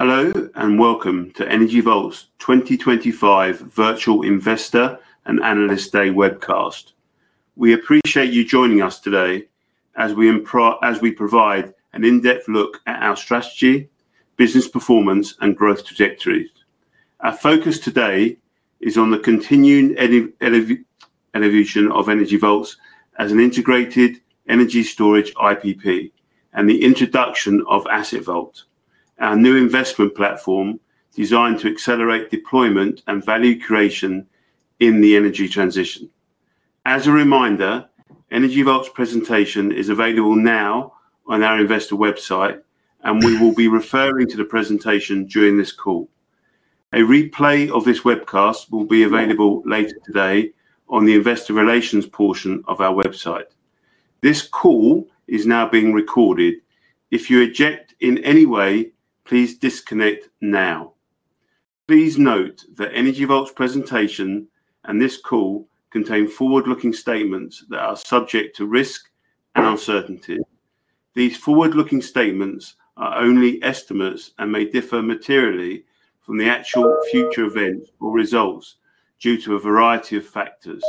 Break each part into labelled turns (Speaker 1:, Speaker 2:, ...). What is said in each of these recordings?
Speaker 1: Hello and welcome to Energy Vault's 2025 Virtual Investor and Analyst Day webcast. We appreciate you joining us today as we provide an in-depth look at our strategy, business performance, and growth trajectories. Our focus today is on the continued evolution of Energy Vault as an integrated energy storage IPP and the introduction of Asset Vault, our new investment platform designed to accelerate deployment and value creation in the energy transition. As a reminder, Energy Vault's presentation is available now on our investor website, and we will be referring to the presentation during this call. A replay of this webcast will be available later today on the investor relations portion of our website. This call is now being recorded. If you object in any way, please disconnect now. Please note that Energy Vault's presentation and this call contain forward-looking statements that are subject to risk and uncertainty. These forward-looking statements are only estimates and may differ materially from the actual future events or results due to a variety of factors.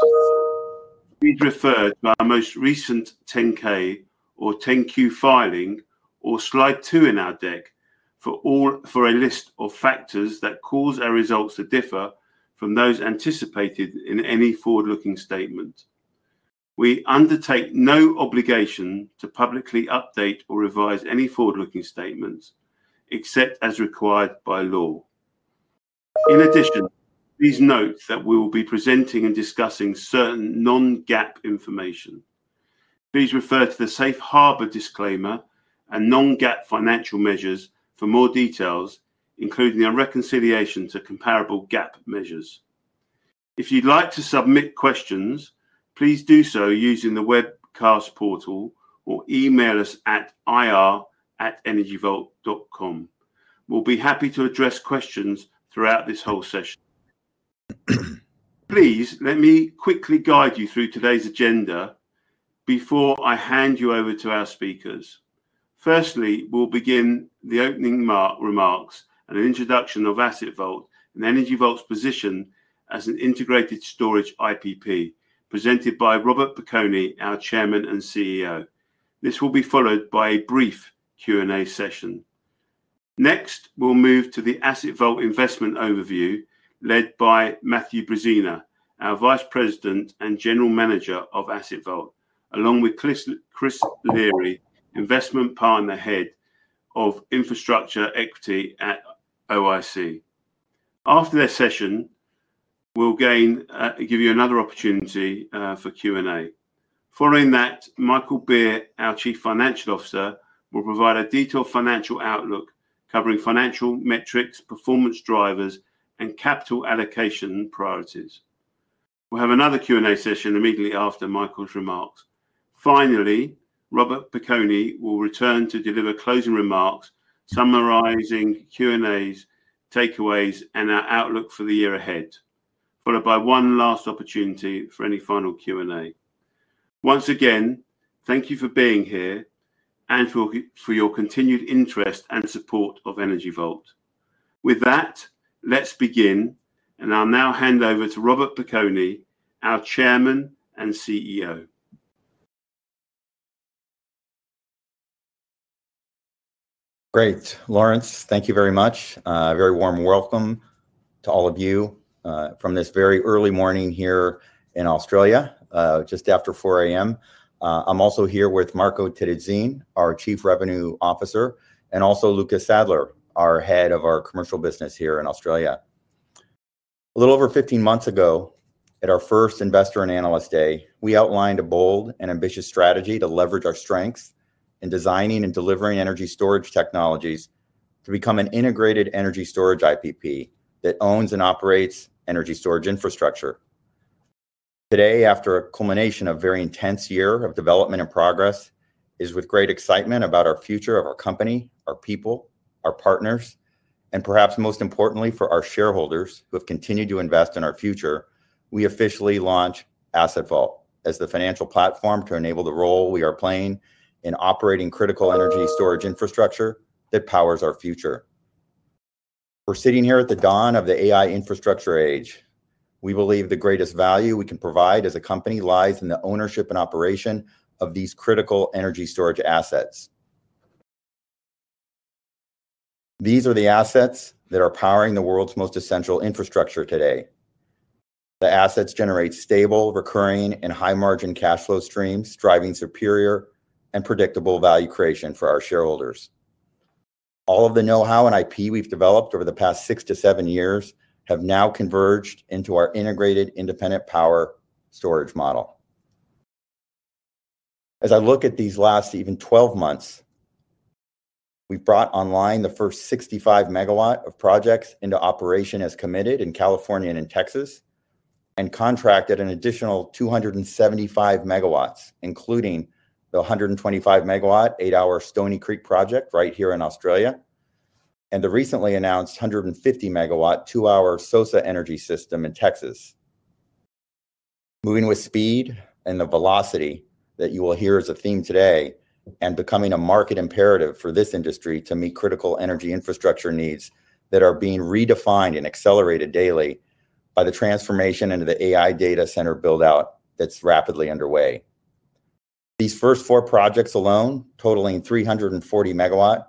Speaker 1: We'd refer to our most recent 10-K or 10-Q filing or slide 2 in our deck for a list of factors that cause our results to differ from those anticipated in any forward-looking statement. We undertake no obligation to publicly update or revise any forward-looking statements except as required by law. In addition, please note that we will be presenting and discussing certain non-GAAP information. Please refer to the Safe Harbor disclaimer and non-GAAP financial measures for more details, including the reconciliation to comparable GAAP measures. If you'd like to submit questions, please do so using the webcast portal or email us at ir@energyvault.com. We'll be happy to address questions throughout this whole session. Please let me quickly guide you through today's agenda before I hand you over to our speakers. Firstly, we'll begin the opening remarks and an introduction of Asset Vault and Energy Vault's position as an integrated storage IPP, presented by Robert Piconi, our Chairman and CEO. This will be followed by a brief Q&A session. Next, we'll move to the Asset Vault investment overview led by Matthew Brezina, our Vice President and General Manager of Asset Vault, along with Chris Leary, Investment Partner, Head of Infrastructure Equity at OIC. After this session, we'll give you another opportunity for Q&A. Following that, Michael Beer, our Chief Financial Officer, will provide a detailed financial outlook covering financial metrics, performance drivers, and capital allocation priorities. We'll have another Q&A session immediately after Michael's remarks. Finally, Robert Piconi will return to deliver closing remarks summarizing Q&A's takeaways and our outlook for the year ahead, followed by one last opportunity for any final Q&A. Once again, thank you for being here and for your continued interest and support of Energy Vault. With that, let's begin, and I'll now hand over to Robert Piconi, our Chairman and CEO.
Speaker 2: Great. Laurence, thank you very much. A very warm welcome to all of you from this very early morning here in Australia, just after 4:00 A.M. I'm also here with Marco Terruzzin, our Chief Revenue Officer, and also Lucas Sadler, our Head of Commercial Business here in Australia. A little over 15 months ago, at our first Investor and Analyst Day, we outlined a bold and ambitious strategy to leverage our strengths in designing and delivering energy storage technologies to become an integrated energy storage IPP that owns and operates energy storage infrastructure. Today, after a culmination of a very intense year of development and progress, it is with great excitement about our future of our company, our people, our partners, and perhaps most importantly for our shareholders who have continued to invest in our future, we officially launched Asset Vault as the financial platform to enable the role we are playing in operating critical energy storage infrastructure that powers our future. We're sitting here at the dawn of the AI infrastructure age. We believe the greatest value we can provide as a company lies in the ownership and operation of these critical energy storage assets. These are the assets that are powering the world's most essential infrastructure today. The assets generate stable, recurring, and high-margin cash flow streams, driving superior and predictable value creation for our shareholders. All of the know-how and IP we've developed over the past six to seven years have now converged into our integrated independent power storage model. As I look at these last even 12 months, we've brought online the first 65 MW of projects into operation as committed in California and in Texas, and contracted an additional 275 MW, including the 125 MW eight-hour Stoney Creek project right here in Australia, and the recently announced 150 MW two-hour SOSA Energy system in Texas. Moving with speed and the velocity that you will hear as a theme today, and becoming a market imperative for this industry to meet critical energy infrastructure needs that are being redefined and accelerated daily by the transformation into the AI data center build-out that's rapidly underway. These first four projects alone, totaling 340 MW,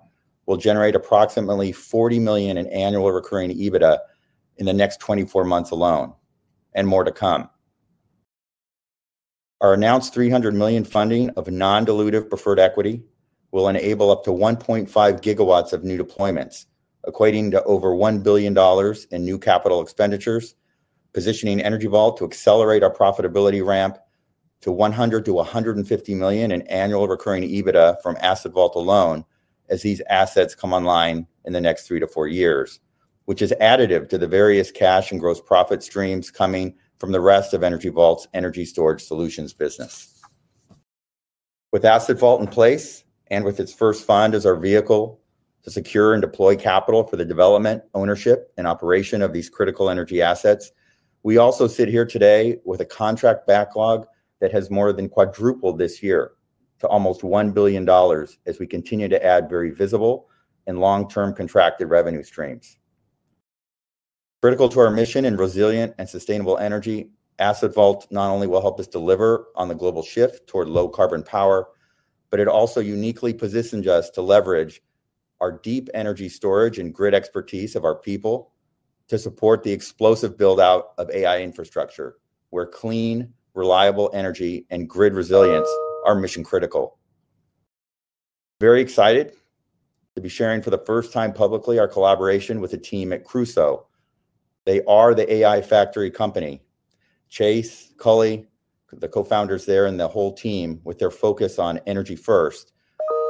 Speaker 2: will generate approximately $40 million in annual recurring EBITDA in the next 24 months alone, and more to come. Our announced $300 million funding of non-dilutive preferred equity will enable up to 1.5 GW of new deployments, equating to over $1 billion in new capital expenditures, positioning Energy Vault to accelerate our profitability ramp to $100 million to $150 million in annual recurring EBITDA from Asset Vault alone as these assets come online in the next three to four years, which is additive to the various cash and gross profit streams coming from the rest of Energy Vault's energy storage solutions business. With Asset Vault in place and with its first fund as our vehicle to secure and deploy capital for the development, ownership, and operation of these critical energy assets, we also sit here today with a contract backlog that has more than quadrupled this year to almost $1 billion as we continue to add very visible and long-term contracted revenue streams. Critical to our mission in resilient and sustainable energy, Asset Vault not only will help us deliver on the global shift toward low-carbon power, but it also uniquely positions us to leverage our deep energy storage and grid expertise of our people to support the explosive build-out of AI infrastructure, where clean, reliable energy, and grid resilience are mission-critical. Very excited to be sharing for the first time publicly our collaboration with the team at Crusoe. They are the AI factory company. Chase, Cully, the co-founders there, and the whole team, with their focus on energy first,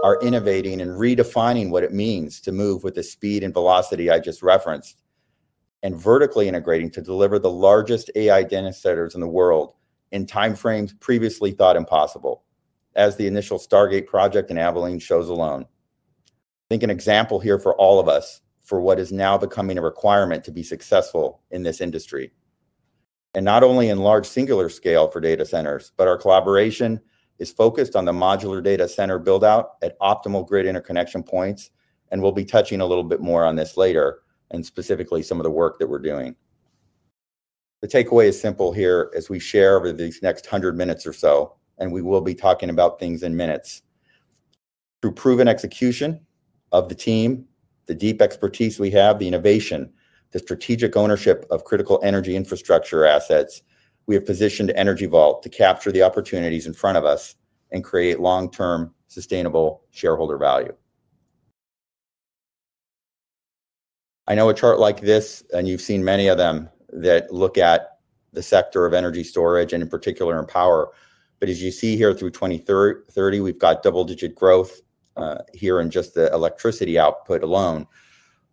Speaker 2: are innovating and redefining what it means to move with the speed and velocity I just referenced and vertically integrating to deliver the largest AI data centers in the world in time frames previously thought impossible, as the initial Stargate project in Abilene shows alone. I think an example here for all of us for what is now becoming a requirement to be successful in this industry. Not only in large singular scale for data centers, our collaboration is focused on the modular data center build-out at optimal grid interconnection points, and we'll be touching a little bit more on this later and specifically some of the work that we're doing. The takeaway is simple here as we share over these next 100 minutes or so, and we will be talking about things in minutes. Through proven execution of the team, the deep expertise we have, the innovation, the strategic ownership of critical energy infrastructure assets, we have positioned Energy Vault to capture the opportunities in front of us and create long-term sustainable shareholder value. I know a chart like this, and you've seen many of them that look at the sector of energy storage and in particular in power. As you see here through 2030, we've got double-digit growth here in just the electricity output alone.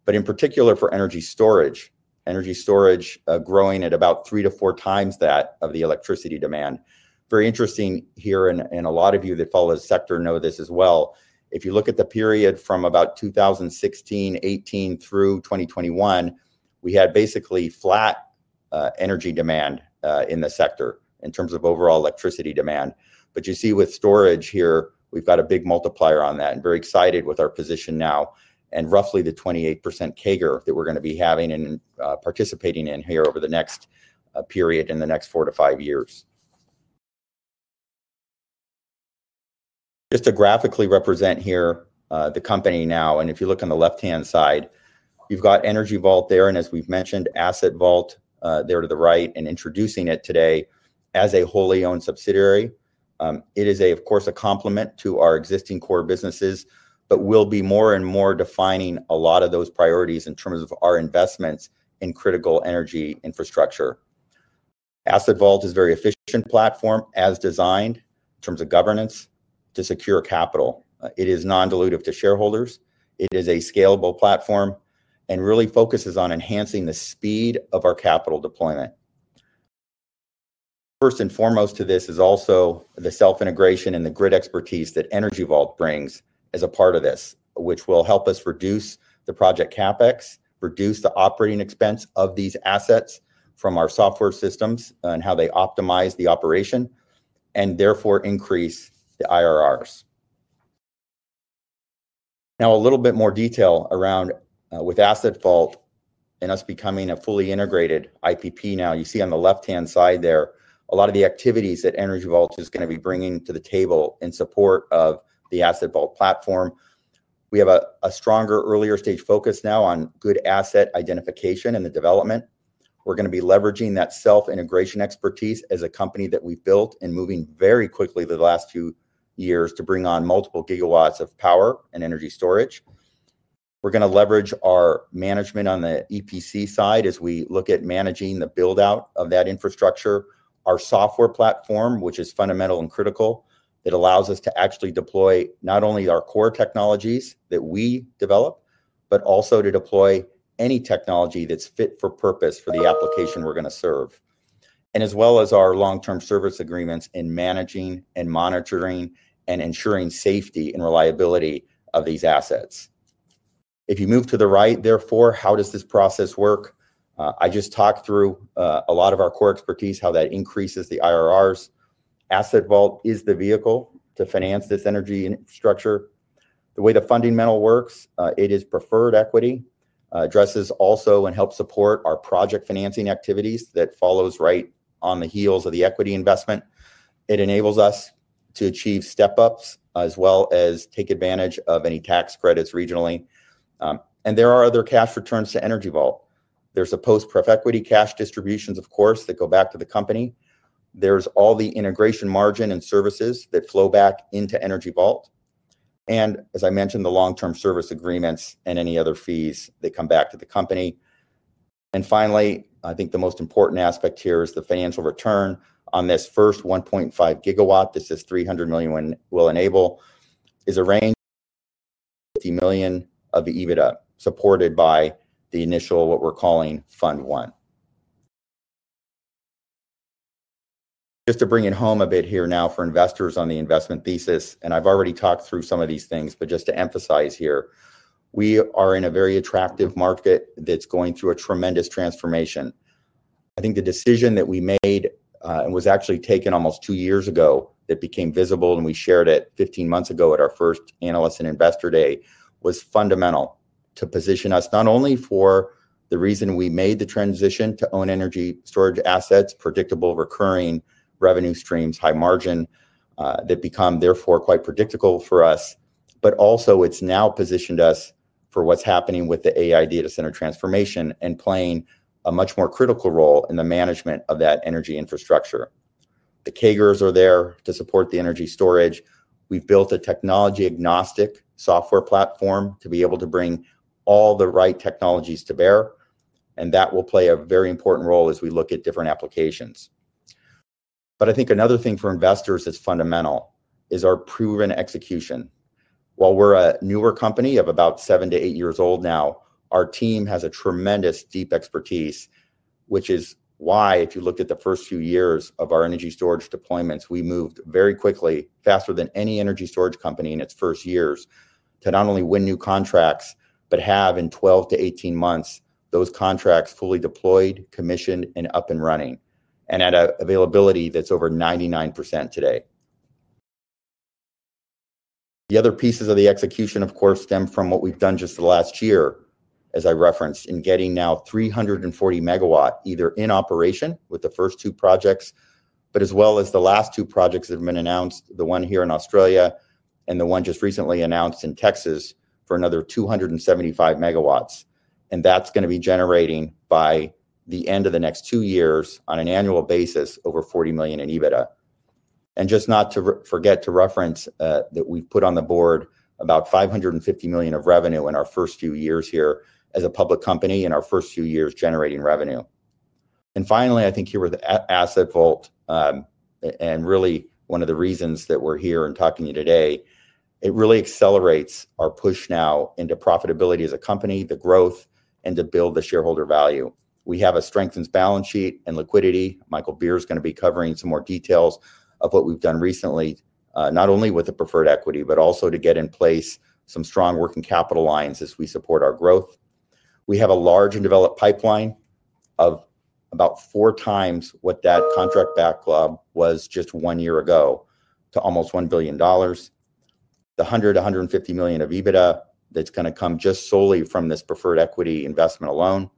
Speaker 2: In particular for energy storage, energy storage growing at about three to four times that of the electricity demand. Very interesting here, and a lot of you that follow this sector know this as well. If you look at the period from about 2016, 2018 through 2021, we had basically flat energy demand in the sector in terms of overall electricity demand. You see with storage here, we've got a big multiplier on that and very excited with our position now and roughly the 28% CAGR that we're going to be having and participating in here over the next period in the next four to five years. Just to graphically represent here the company now, and if you look on the left-hand side, you've got Energy Vault there, and as we've mentioned, Asset Vault there to the right and introducing it today as a wholly owned subsidiary. It is, of course, a complement to our existing core businesses, but we'll be more and more defining a lot of those priorities in terms of our investments in critical energy infrastructure. Asset Vault is a very efficient platform as designed in terms of governance to secure capital. It is non-dilutive to shareholders. It is a scalable platform and really focuses on enhancing the speed of our capital deployment. First and foremost to this is also the self-integration and the grid expertise that Energy Vault brings as a part of this, which will help us reduce the project CapEx, reduce the operating expense of these assets from our software systems and how they optimize the operation and therefore increase the IRRs. Now, a little bit more detail around with Asset Vault and us becoming a fully integrated IPP. You see on the left-hand side there a lot of the activities that Energy Vault is going to be bringing to the table in support of the Asset Vault platform. We have a stronger earlier stage focus now on good asset identification and the development. We're going to be leveraging that self-integration expertise as a company that we've built and moving very quickly the last two years to bring on multiple gigawatts of power and energy storage. We're going to leverage our management on the EPC side as we look at managing the build-out of that infrastructure, our software platform, which is fundamental and critical. It allows us to actually deploy not only our core technologies that we develop, but also to deploy any technology that's fit for purpose for the application we're going to serve, as well as our long-term service agreements in managing and monitoring and ensuring safety and reliability of these assets. If you move to the right, therefore, how does this process work? I just talked through a lot of our core expertise, how that increases the IRRs. Asset Vault is the vehicle to finance this energy infrastructure. The way the funding model works, it is preferred equity, addresses also and helps support our project financing activities that follows right on the heels of the equity investment. It enables us to achieve step-ups as well as take advantage of any tax credits regionally. There are other cash returns to Energy Vault. There's a post-pref equity cash distributions, of course, that go back to the company. There's all the integration margin and services that flow back into Energy Vault. As I mentioned, the long-term service agreements and any other fees that come back to the company. Finally, I think the most important aspect here is the financial return on this first 1.5 GW. This $300 million we'll enable is a range of $50 million of the EBITDA supported by the initial what we're calling Fund 1. Just to bring it home a bit here now for investors on the investment thesis, and I've already talked through some of these things, but just to emphasize here, we are in a very attractive market that's going through a tremendous transformation. I think the decision that we made and was actually taken almost two years ago that became visible and we shared it 15 months ago at our first Analyst and Investor Day was fundamental to position us not only for the reason we made the transition to own energy storage assets, predictable recurring revenue streams, high margin that become therefore quite predictable for us, but also it's now positioned us for what's happening with the AI data center transformation and playing a much more critical role in the management of that energy infrastructure. The CAGRs are there to support the energy storage. We've built a technology-agnostic software platform to be able to bring all the right technologies to bear, and that will play a very important role as we look at different applications. I think another thing for investors that's fundamental is our proven execution. While we're a newer company of about seven to eight years old now, our team has a tremendous deep expertise, which is why if you looked at the first few years of our energy storage deployments, we moved very quickly, faster than any energy storage company in its first years, to not only win new contracts, but have in 12 to 18 months those contracts fully deployed, commissioned, and up and running, and at an availability that's over 99% today. The other pieces of the execution, of course, stem from what we've done just the last year, as I referenced, in getting now 340 MW either in operation with the first two projects, as well as the last two projects that have been announced, the one here in Australia and the one just recently announced in Texas for another 275 MW. That's going to be generating by the end of the next two years on an annual basis over $40 million in EBITDA. Just not to forget to reference that we've put on the board about $550 million of revenue in our first few years here as a public company and our first few years generating revenue. Finally, I think here with Asset Vault, and really one of the reasons that we're here and talking to you today, it really accelerates our push now into profitability as a company, the growth, and to build the shareholder value. We have a strengthened balance sheet and liquidity. Michael Beer is going to be covering some more details of what we've done recently, not only with the preferred equity, but also to get in place some strong working capital lines as we support our growth. We have a large and developed pipeline of about four times what that contract backlog was just one year ago to almost $1 billion. The $100 million-$150 million of EBITDA that's going to come just solely from this preferred equity investment alone.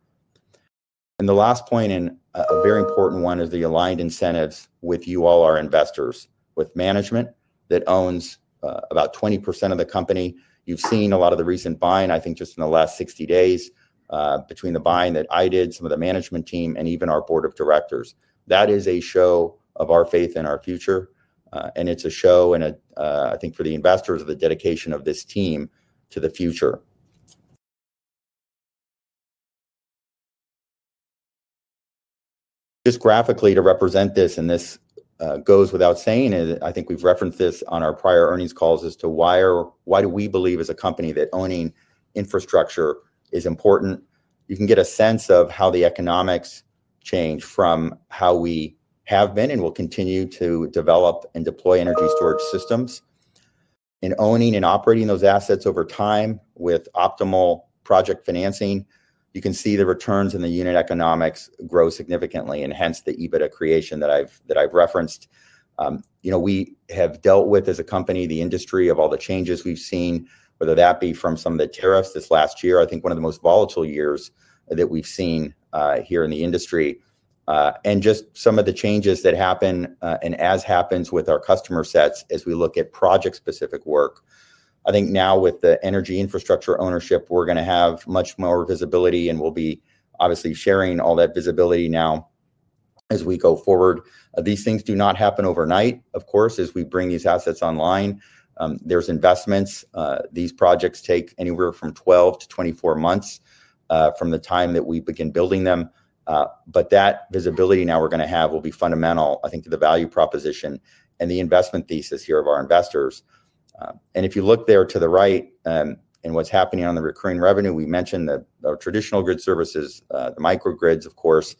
Speaker 2: The last point, and a very important one, is the aligned incentives with you all, our investors, with management that owns about 20% of the company. You've seen a lot of the recent buying, I think just in the last 60 days, between the buying that I did, some of the management team, and even our board of directors. That is a show of our faith in our future, and it's a show, and I think for the investors, of the dedication of this team to the future. Just graphically to represent this, and this goes without saying, I think we've referenced this on our prior earnings calls as to why do we believe as a company that owning infrastructure is important. You can get a sense of how the economics change from how we have been and will continue to develop and deploy energy storage systems. In owning and operating those assets over time with optimal project financing, you can see the returns in the unit economics grow significantly and hence the EBITDA creation that I've referenced. We have dealt with as a company the industry of all the changes we've seen, whether that be from some of the tariffs this last year, I think one of the most volatile years that we've seen here in the industry, and just some of the changes that happen and as happens with our customer sets as we look at project-specific work. I think now with the energy infrastructure ownership, we're going to have much more visibility, and we'll be obviously sharing all that visibility now as we go forward. These things do not happen overnight, of course, as we bring these assets online. There's investments. These projects take anywhere from 12 to 24 months from the time that we begin building them. That visibility now we're going to have will be fundamental, I think, to the value proposition and the investment thesis here of our investors. If you look there to the right and what's happening on the recurring revenue, we mentioned the traditional grid services, the microgrids, of course,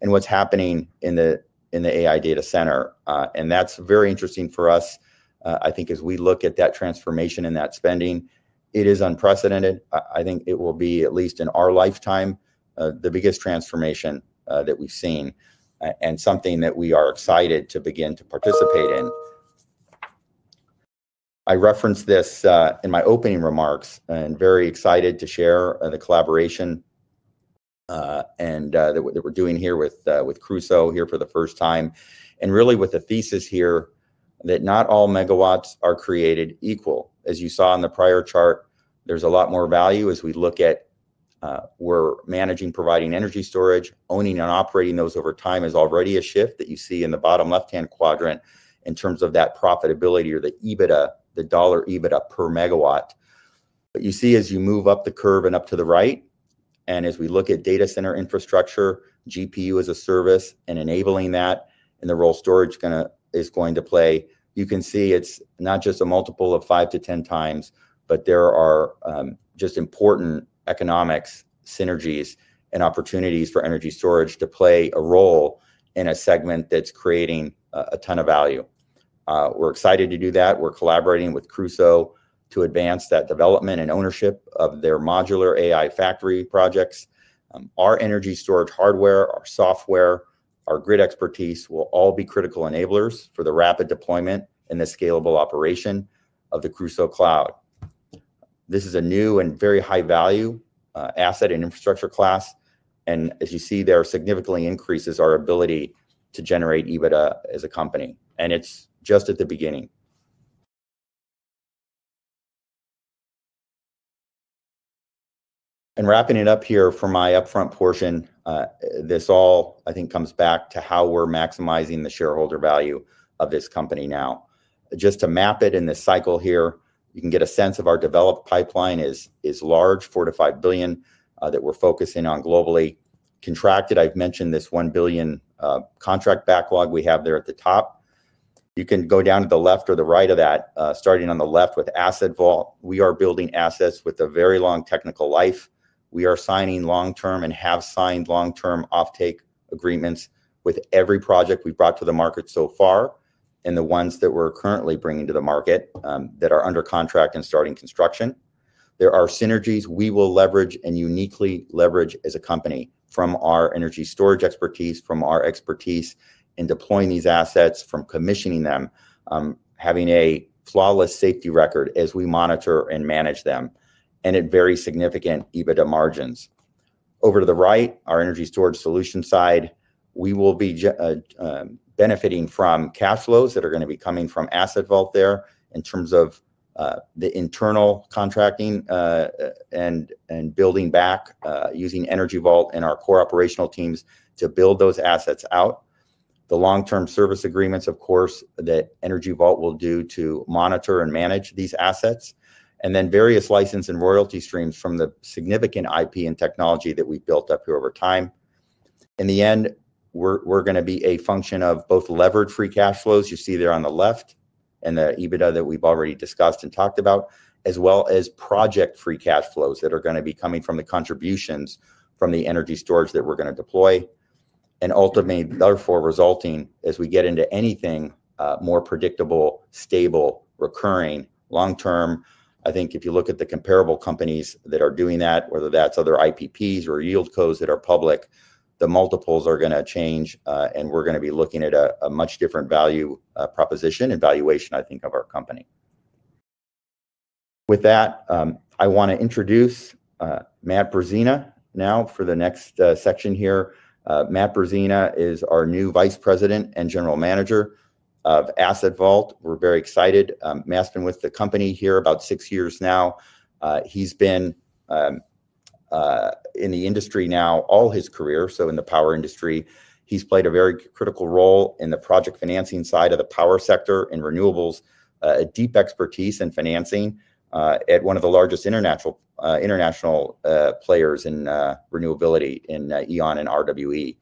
Speaker 2: and what's happening in the AI data center. That's very interesting for us, I think, as we look at that transformation and that spending. It is unprecedented. I think it will be, at least in our lifetime, the biggest transformation that we've seen and something that we are excited to begin to participate in. I referenced this in my opening remarks and am very excited to share the collaboration that we're doing here with Crusoe for the first time. Really, with the thesis here that not all megawatts are created equal. As you saw in the prior chart, there's a lot more value as we look at how we're managing, providing energy storage, owning and operating those over time. It is already a shift that you see in the bottom left-hand quadrant in terms of that profitability or the EBITDA, the dollar EBITDA per megawatt. You see as you move up the curve and up to the right, and as we look at data center infrastructure, GPU as a service, and enabling that and the role storage is going to play, you can see it's not just a multiple of five to ten times, but there are just important economic synergies and opportunities for energy storage to play a role in a segment that's creating a ton of value. We're excited to do that. We're collaborating with Crusoe to advance that development and ownership of their modular AI data center infrastructure projects. Our energy storage hardware, our software, our grid expertise will all be critical enablers for the rapid deployment and the scalable operation of the Crusoe Cloud. This is a new and very high-value asset and infrastructure class. As you see, there are significant increases in our ability to generate EBITDA as a company, and it's just at the beginning. Wrapping it up here for my upfront portion, this all comes back to how we're maximizing the shareholder value of this company now. Just to map it in this cycle here, you can get a sense of our developed pipeline is large, $4 billion-$5 billion that we're focusing on globally. Contracted, I've mentioned this $1 billion contract backlog we have there at the top. You can go down to the left or the right of that, starting on the left with Asset Vault. We are building assets with a very long technical life. We are signing long-term and have signed long-term offtake agreements with every project we've brought to the market so far and the ones that we're currently bringing to the market that are under contract and starting construction. There are synergies we will leverage and uniquely leverage as a company from our energy storage expertise, from our expertise in deploying these assets, from commissioning them, having a flawless safety record as we monitor and manage them, and at very significant EBITDA margins. Over to the right, our energy storage solution side, we will be benefiting from cash flows that are going to be coming from Asset Vault there in terms of the internal contracting and building back using Energy Vault and our core operational teams to build those assets out. The long-term service agreements, of course, that Energy Vault will do to monitor and manage these assets, and then various license and royalty streams from the significant IP and technology that we've built up here over time. In the end, we're going to be a function of both leveraged free cash flows you see there on the left and the EBITDA that we've already discussed and talked about, as well as project-free cash flows that are going to be coming from the contributions from the energy storage that we're going to deploy. Ultimately, therefore resulting as we get into anything more predictable, stable, recurring, long-term. I think if you look at the comparable companies that are doing that, whether that's other IPPs or yieldcos that are public, the multiples are going to change, and we're going to be looking at a much different value proposition and valuation, I think, of our company. With that, I want to introduce Matt Brezina now for the next section here. Matt Brezina is our new Vice President and General Manager of Asset Vault. We're very excited. Matt's been with the company here about six years now. He's been in the industry now all his career, so in the power industry, he's played a very critical role in the project financing side of the power sector in renewables, a deep expertise in financing at one of the largest international players in renewability in E.ON and RWE.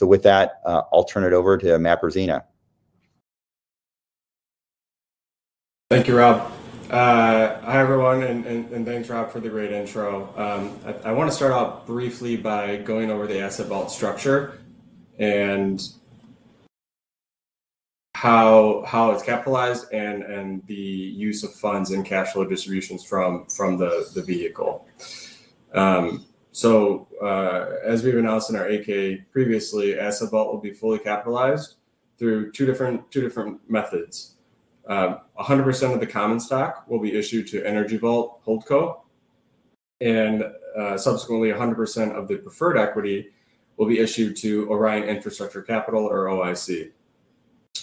Speaker 2: With that, I'll turn it over to Matt Brezina.
Speaker 3: Thank you, Rob. Hi everyone, and thanks, Rob, for the great intro. I want to start off briefly by going over the Asset Vault structure and how it's capitalized and the use of funds and cash flow distributions from the vehicle. As we've announced in our 8-K previously, Asset Vault will be fully capitalized through two different methods. 100% of the common stock will be issued to Energy Vault Holdco, and subsequently, 100% of the preferred equity will be issued to Orion Infrastructure Capital or OIC.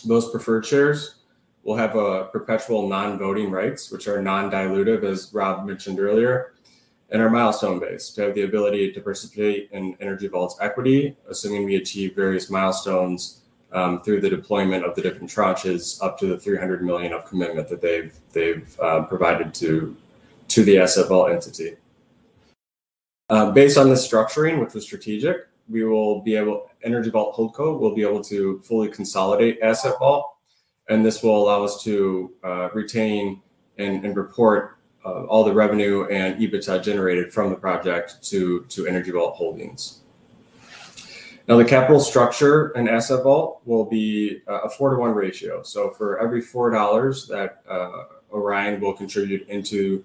Speaker 3: Those preferred shares will have perpetual non-voting rights, which are non-dilutive, as Rob mentioned earlier, and are milestone-based to have the ability to participate in Energy Vault's equity, assuming we achieve various milestones through the deployment of the different tranches up to the $300 million of commitment that they've provided to the Asset Vault entity. Based on this structuring, which was strategic, Energy Vault Holdco will be able to fully consolidate Asset Vault, and this will allow us to retain and report all the revenue and EBITDA generated from the project to Energy Vault Holdings. Now, the capital structure in Asset Vault will be a four-to-one ratio. For every $4 that Orion will contribute into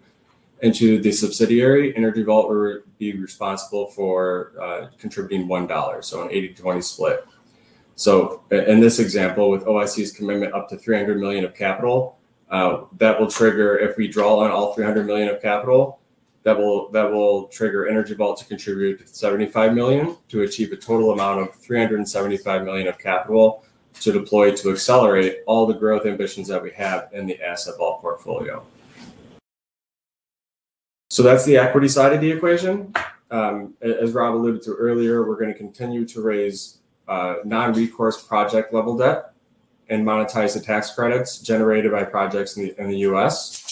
Speaker 3: the subsidiary, Energy Vault will be responsible for contributing $1, so an 80/20 split. In this example, with OIC's commitment up to $300 million of capital, if we draw on all $300 million of capital, that will trigger Energy Vault to contribute $75 million to achieve a total amount of $375 million of capital to deploy to accelerate all the growth ambitions that we have in the Asset Vault portfolio. That's the equity side of the equation. As Rob alluded to earlier, we're going to continue to raise non-recourse project-level debt and monetize the tax credits generated by projects in the U.S.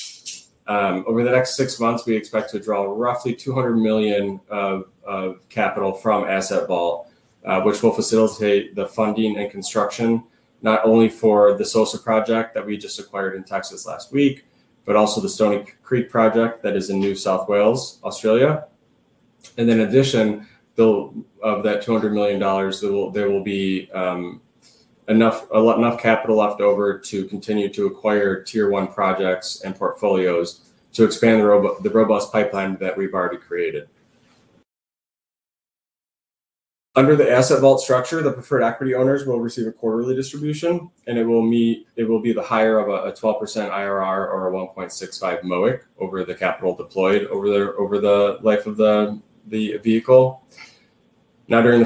Speaker 3: Over the next six months, we expect to draw roughly $200 million of capital from Asset Vault, which will facilitate the funding and construction not only for the SOSA project that we just acquired in Texas last week, but also the Stoney Creek project that is in New South Wales, Australia. In addition, of that $200 million, there will be enough capital left over to continue to acquire Tier 1 projects and portfolios to expand the robust pipeline that we've already created. Under the Asset Vault structure, the preferred equity owners will receive a quarterly distribution, and it will be the higher of a 12% IRR or a 1.65 MOIC over the capital deployed over the life of the vehicle. During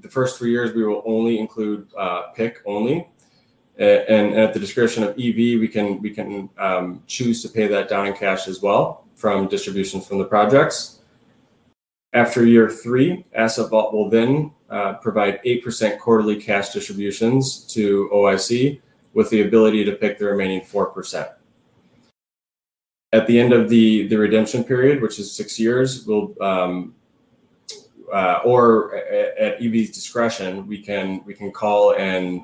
Speaker 3: the first three years, we will only include PIK only. At the discretion of EV, we can choose to pay that down in cash as well from distributions from the projects. After year three, Asset Vault will then provide 8% quarterly cash distributions to OIC with the ability to PIK the remaining 4%. At the end of the redemption period, which is six years, or at EV's discretion, we can call and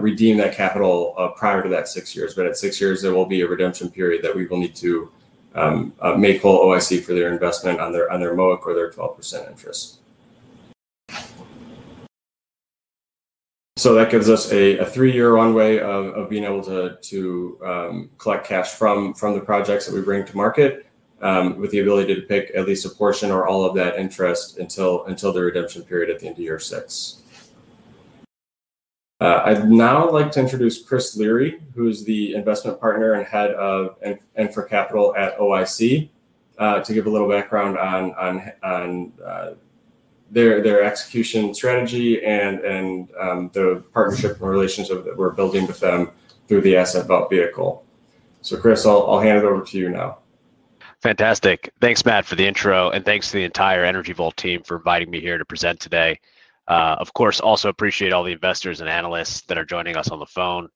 Speaker 3: redeem that capital prior to that six years. At six years, there will be a redemption period that we will need to make whole OIC for their investment on their MOIC or their 12% interest. That gives us a three-year runway of being able to collect cash from the projects that we bring to market with the ability to PIK at least a portion or all of that interest until the redemption period at the end of year six. I'd now like to introduce Chris Leary, who is the Investment Partner and Head of Infra Capital at OIC, to give a little background on their execution strategy and the partnership and relationship that we're building with them through the Asset Vault vehicle. Chris, I'll hand it over to you now.
Speaker 4: Fantastic. Thanks, Matt, for the intro, and thanks to the entire Energy Vault team for inviting me here to present today. Of course, also appreciate all the investors and analysts that are joining us on the phone.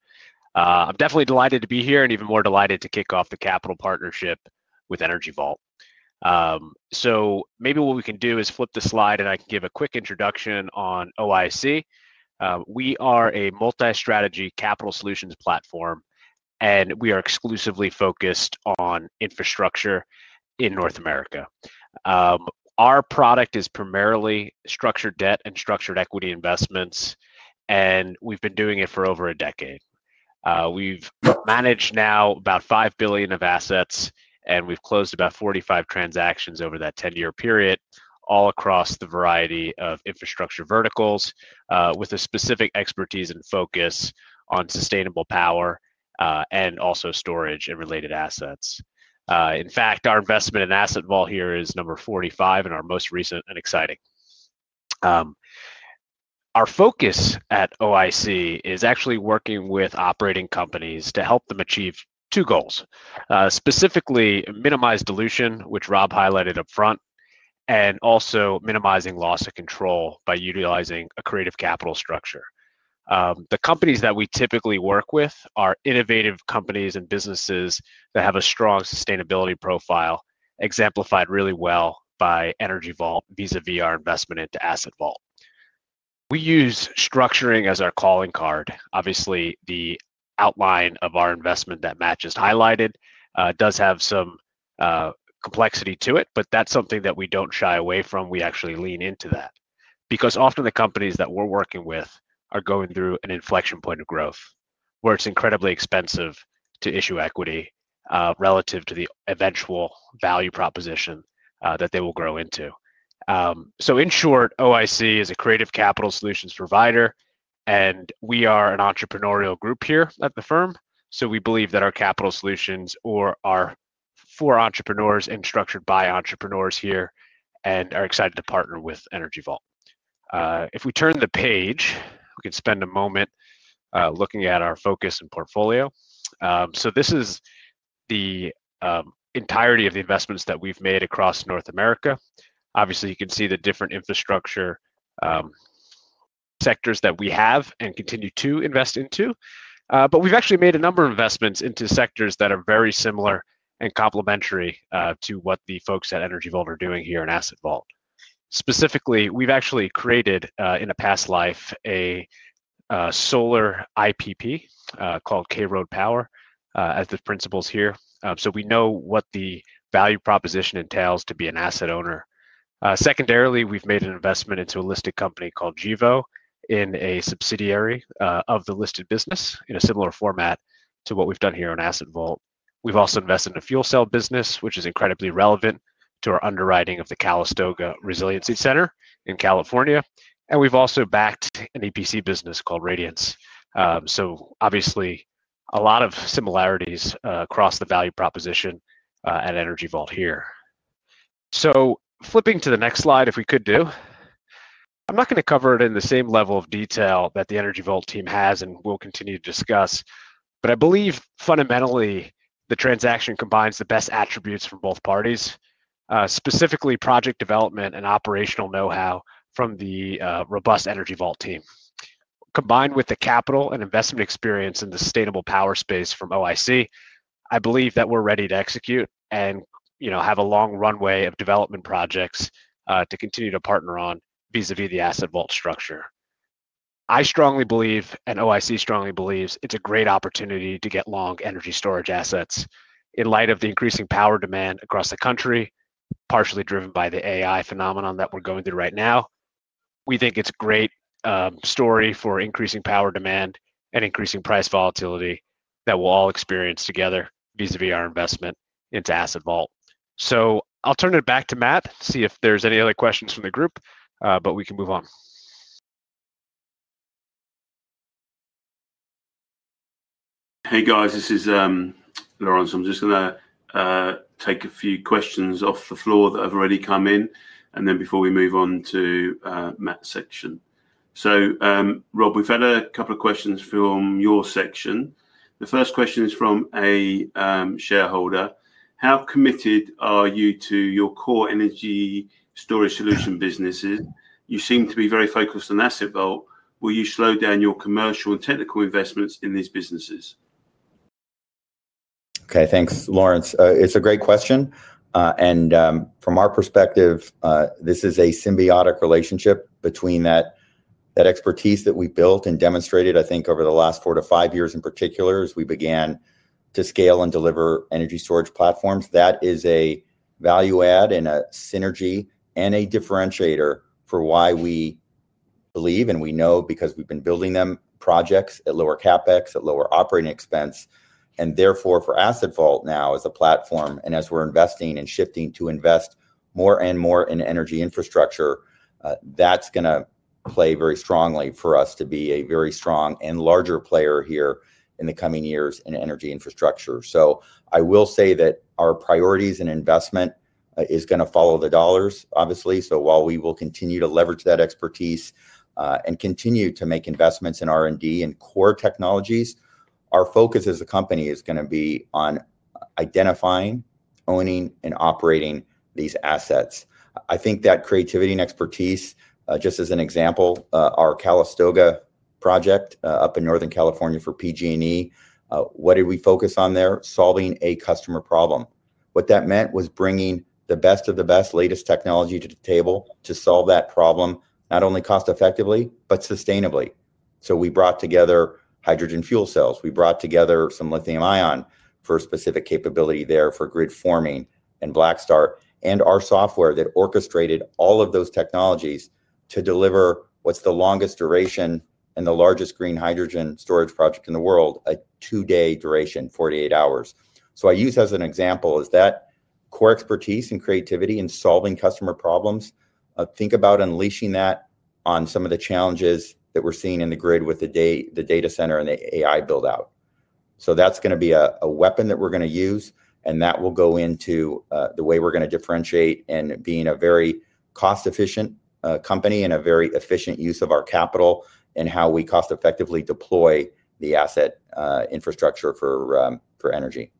Speaker 4: I'm definitely delighted to be here and even more delighted to kick off the capital partnership with Energy Vault. Maybe what we can do is flip the slide and I can give a quick introduction on OIC. We are a multi-strategy capital solutions platform, and we are exclusively focused on infrastructure in North America. Our product is primarily structured debt and structured equity investments, and we've been doing it for over a decade. We've managed now about $5 billion of assets, and we've closed about 45 transactions over that 10-year period all across the variety of infrastructure verticals with a specific expertise and focus on sustainable power and also storage and related assets. In fact, our investment in Asset Vault here is number 45 and our most recent and exciting. Our focus at OIC is actually working with operating companies to help them achieve two goals, specifically minimize dilution, which Rob highlighted up front, and also minimizing loss of control by utilizing a creative capital structure. The companies that we typically work with are innovative companies and businesses that have a strong sustainability profile, exemplified really well by Energy Vault vis-à-vis our investment into Asset Vault. We use structuring as our calling card. Obviously, the outline of our investment that Matt just highlighted does have some complexity to it, but that's something that we don't shy away from. We actually lean into that because often the companies that we're working with are going through an inflection point of growth where it's incredibly expensive to issue equity relative to the eventual value proposition that they will grow into. In short, OIC is a creative capital solutions provider, and we are an entrepreneurial group here at the firm. We believe that our capital solutions are for entrepreneurs and structured by entrepreneurs here and are excited to partner with Energy Vault. If we turn the page, we can spend a moment looking at our focus and portfolio. This is the entirety of the investments that we've made across North America. Obviously, you can see the different infrastructure sectors that we have and continue to invest into, but we've actually made a number of investments into sectors that are very similar and complementary to what the folks at Energy Vault are doing here in Asset Vault. Specifically, we've actually created in a past life a solar IPP called K Road Power as the principals here. We know what the value proposition entails to be an asset owner. Secondarily, we've made an investment into a listed company called Gevo in a subsidiary of the listed business in a similar format to what we've done here in Asset Vault. We've also invested in a fuel cell business, which is incredibly relevant to our underwriting of the Calistoga Resiliency Center in California. We've also backed an EPC business called Radiance. Obviously, a lot of similarities across the value proposition at Energy Vault here. Flipping to the next slide, if we could do, I'm not going to cover it in the same level of detail that the Energy Vault team has and will continue to discuss, but I believe fundamentally the transaction combines the best attributes from both parties, specifically project development and operational know-how from the robust Energy Vault team. Combined with the capital and investment experience in the sustainable power space from OIC, I believe that we're ready to execute and have a long runway of development projects to continue to partner on vis-à-vis the Asset Vault structure. I strongly believe and OIC strongly believes it's a great opportunity to get long energy storage assets in light of the increasing power demand across the country, partially driven by the AI phenomenon that we're going through right now. We think it's a great story for increasing power demand and increasing price volatility that we'll all experience together vis-à-vis our investment into Asset Vault. I'll turn it back to Matt to see if there's any other questions from the group, but we can move on.
Speaker 1: Hey guys, this is Laurence. I'm just going to take a few questions off the floor that have already come in, before we move on to Matt's section. Rob, we've had a couple of questions from your section. The first question is from a shareholder. How committed are you to your core energy storage solution businesses? You seem to be very focused on Asset Vault. Will you slow down your commercial and technical investments in these businesses?
Speaker 2: Okay, thanks, Laurence. It's a great question. From our perspective, this is a symbiotic relationship between that expertise that we built and demonstrated, I think, over the last four to five years in particular as we began to scale and deliver energy storage platforms. That is a value add and a synergy and a differentiator for why we believe and we know because we've been building them, projects at lower CapEx, at lower operating expense. Therefore, for Asset Vault now as a platform and as we're investing and shifting to invest more and more in energy infrastructure, that's going to play very strongly for us to be a very strong and larger player here in the coming years in energy infrastructure. I will say that our priorities and investment are going to follow the dollars, obviously. While we will continue to leverage that expertise and continue to make investments in R&D and core technologies, our focus as a company is going to be on identifying, owning, and operating these assets. I think that creativity and expertise, just as an example, our Calistoga project up in Northern California for PG&E, what did we focus on there? Solving a customer problem. What that meant was bringing the best of the best latest technology to the table to solve that problem, not only cost-effectively but sustainably. We brought together hydrogen fuel cells. We brought together some lithium-ion for a specific capability there for grid forming and black start, and our software that orchestrated all of those technologies to deliver what's the longest duration and the largest green hydrogen storage project in the world, a two-day duration, 48 hours. I use as an example that core expertise and creativity in solving customer problems. Think about unleashing that on some of the challenges that we're seeing in the grid with the data center and the AI build-out. That's going to be a weapon that we're going to use, and that will go into the way we're going to differentiate and being a very cost-efficient company and a very efficient use of our capital and how we cost-effectively deploy the asset infrastructure for energy.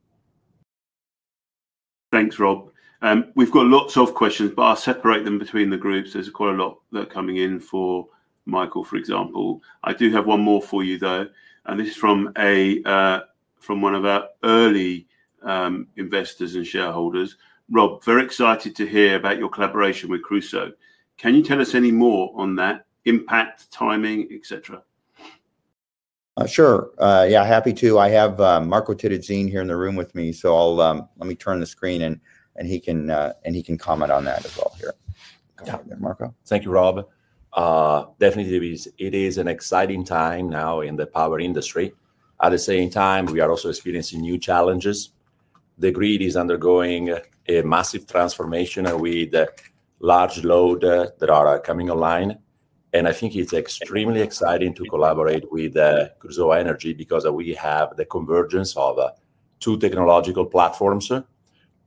Speaker 1: Thanks, Rob. We've got lots of questions, but I'll separate them between the groups. There's quite a lot that are coming in for Michael, for example. I do have one more for you, though, and this is from one of our early investors and shareholders. Rob, very excited to hear about your collaboration with Crusoe. Can you tell us any more on that impact, timing, etc.?
Speaker 2: Sure. Yeah, happy to. I have Marco Terruzzin here in the room with me, so let me turn the screen and he can comment on that as well here.
Speaker 5: Thank you, Rob. Definitely, it is an exciting time now in the power industry. At the same time, we are also experiencing new challenges. The grid is undergoing a massive transformation with large loads that are coming online. I think it's extremely exciting to collaborate with Crusoe Energy because we have the convergence of two technological platforms.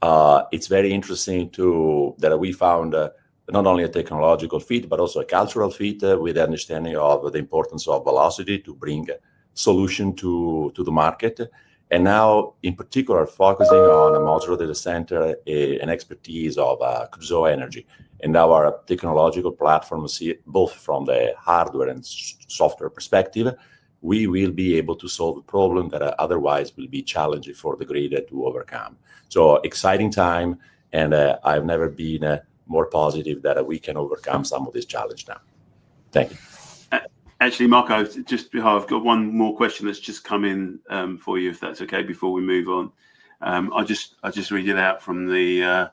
Speaker 5: It's very interesting that we found not only a technological fit, but also a cultural fit with the understanding of the importance of velocity to bring solutions to the market. In particular, focusing on a modular data center and expertise of Crusoe Energy, and now our technological platform, both from the hardware and software perspective, we will be able to solve a problem that otherwise will be challenging for the grid to overcome. Exciting time, and I've never been more positive that we can overcome some of this challenge now. Thank you.
Speaker 1: Actually, Marco, I've got one more question that's just come in for you, if that's okay, before we move on. I'll just read it out from the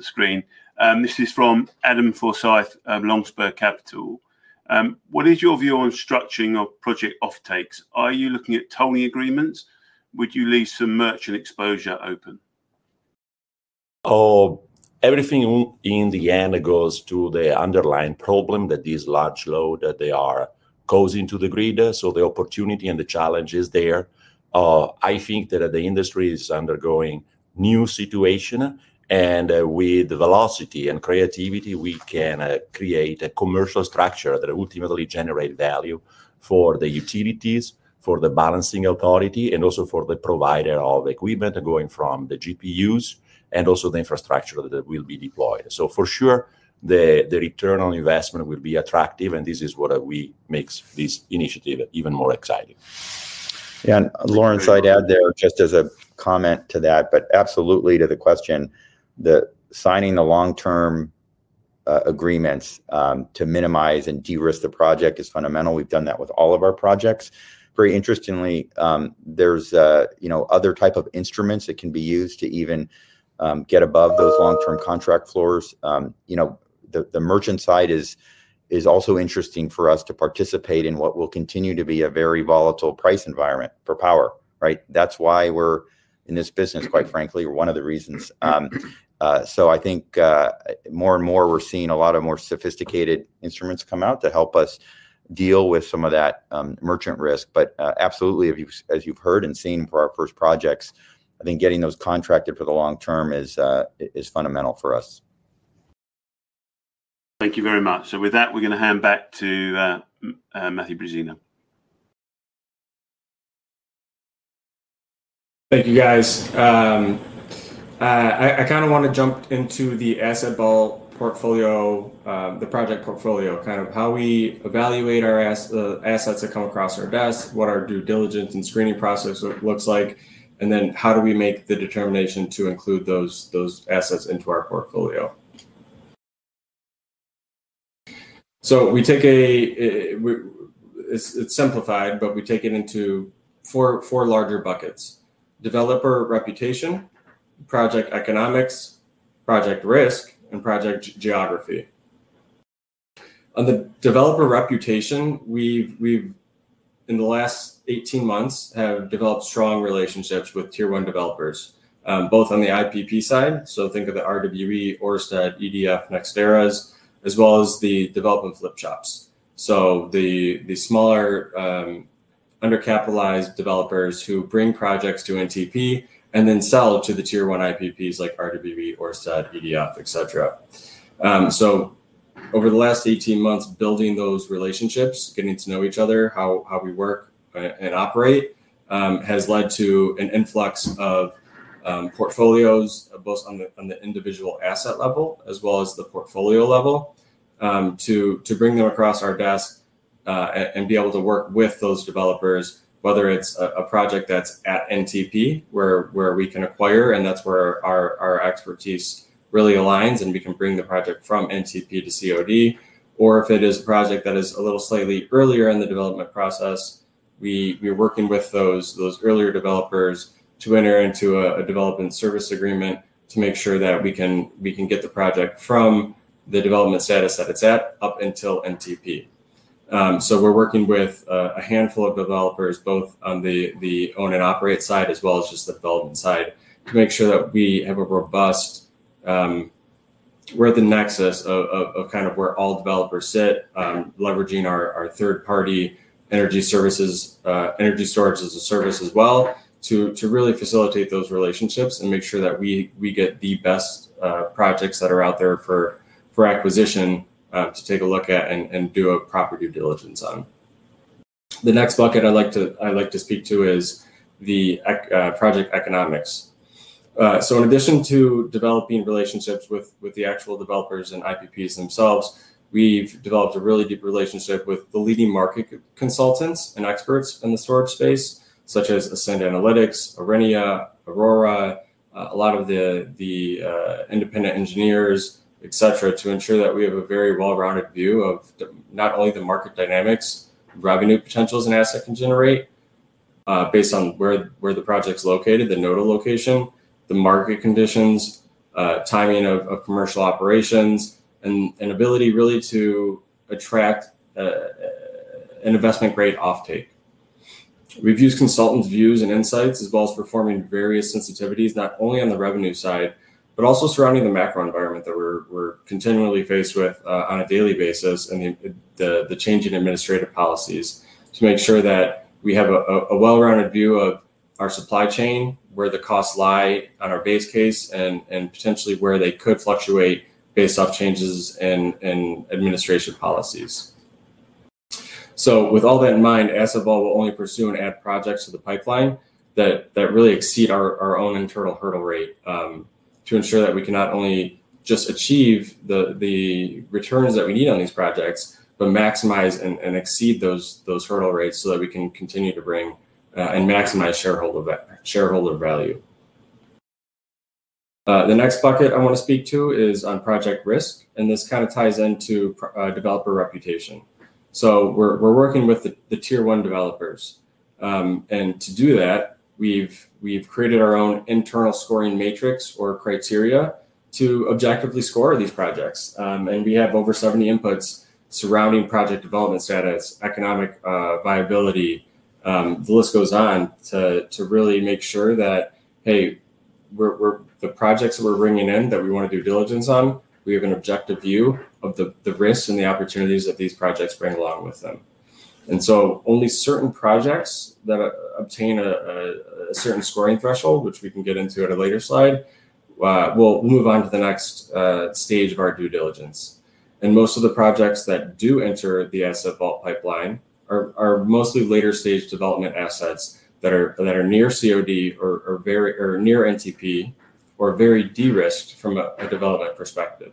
Speaker 1: screen. This is from Adam Forsyth of Longspur Capital. What is your view on structuring of project offtakes? Are you looking at tolling agreements? Would you leave some merchant exposure open?
Speaker 5: Oh. Everything in the end goes to the underlying problem that these large loads that they are causing to the grid. The opportunity and the challenge is there. I think that the industry is undergoing a new situation, and with velocity and creativity, we can create a commercial structure that ultimately generates value for the utilities, for the balancing authority, and also for the provider of equipment going from the GPUs and also the infrastructure that will be deployed. The return on investment will be attractive, and this is what makes this initiative even more exciting.
Speaker 2: Yeah, and Laurence, I'd add there just as a comment to that, absolutely to the question that signing the long-term agreements to minimize and de-risk the project is fundamental. We've done that with all of our projects. Very interestingly, there's other types of instruments that can be used to even get above those long-term contract floors. The merchant side is also interesting for us to participate in what will continue to be a very volatile price environment for power. That's why we're in this business, quite frankly, or one of the reasons. I think more and more we're seeing a lot of more sophisticated instruments come out to help us deal with some of that merchant risk. Absolutely, as you've heard and seen for our first projects, I think getting those contracted for the long term is fundamental for us.
Speaker 1: Thank you very much. With that, we're going to hand back to Matthew Brezina.
Speaker 3: Thank you, guys. I kind of want to jump into the Asset Vault portfolio, the project portfolio, kind of how we evaluate our assets that come across our desk, what our due diligence and screening process looks like, and then how do we make the determination to include those assets into our portfolio? We take a, it's simplified, but we take it into four larger buckets: developer reputation, project economics, project risk, and project geography. On the developer reputation, we've, in the last 18 months, developed strong relationships with Tier 1 developers, both on the IPP side. Think of the RWE, Ørsted, EDF, NextEras, as well as the development flip shops, the smaller undercapitalized developers who bring projects to NTP and then sell to the Tier 1 IPPs like RWE, Ørsted, EDF, etc. Over the last 18 months, building those relationships, getting to know each other, how we work and operate has led to an influx of portfolios, both on the individual asset level as well as the portfolio level, to bring them across our desk and be able to work with those developers, whether it's a project that's at NTP where we can acquire, and that's where our expertise really aligns, and we can bring the project from NTP to COD. If it is a project that is a little slightly earlier in the development process, we're working with those earlier developers to enter into a development service agreement to make sure that we can get the project from the development status that it's at up until NTP. We're working with a handful of developers, both on the own and operate side as well as just the development side, to make sure that we have a robust, we're at the nexus of kind of where all developers sit, leveraging our third-party energy services, energy storage as a service as well, to really facilitate those relationships and make sure that we get the best projects that are out there for acquisition to take a look at and do a proper due diligence on. The next bucket I'd like to speak to is the project economics. In addition to developing relationships with the actual developers and IPPs themselves, we've developed a really deep relationship with the leading market consultants and experts in the storage space, such as Ascend Analytics, Orennia, Aurora, a lot of the independent engineers, et cetera, to ensure that we have a very well-rounded view of not only the market dynamics, revenue potentials an asset can generate based on where the project's located, the node location, the market conditions, timing of commercial operations, and ability really to attract an investment-grade offtake. We've used consultants' views and insights as well as performing various sensitivities, not only on the revenue side, but also surrounding the macro environment that we're continually faced with on a daily basis and the changing administrative policies to make sure that we have a well-rounded view of our supply chain, where the costs lie on our base case, and potentially where they could fluctuate based off changes in administration policies. With all that in mind, Asset Vault will only pursue and add projects to the pipeline that really exceed our own internal hurdle rate to ensure that we can not only just achieve the returns that we need on these projects, but maximize and exceed those hurdle rates so that we can continue to bring and maximize shareholder value. The next bucket I want to speak to is on project risk, and this kind of ties into developer reputation. We're working with the Tier 1 developers. To do that, we've created our own internal scoring matrix or criteria to objectively score these projects. We have over 70 inputs surrounding project development status, economic viability. The list goes on to really make sure that, hey, the projects that we're bringing in that we want to do diligence on, we have an objective view of the risks and the opportunities that these projects bring along with them. Only certain projects that obtain a certain scoring threshold, which we can get into at a later slide, will move on to the next stage of our due diligence. Most of the projects that do enter the Asset Vault pipeline are mostly later-stage development assets that are near COD or near NTP or very de-risked from a development perspective.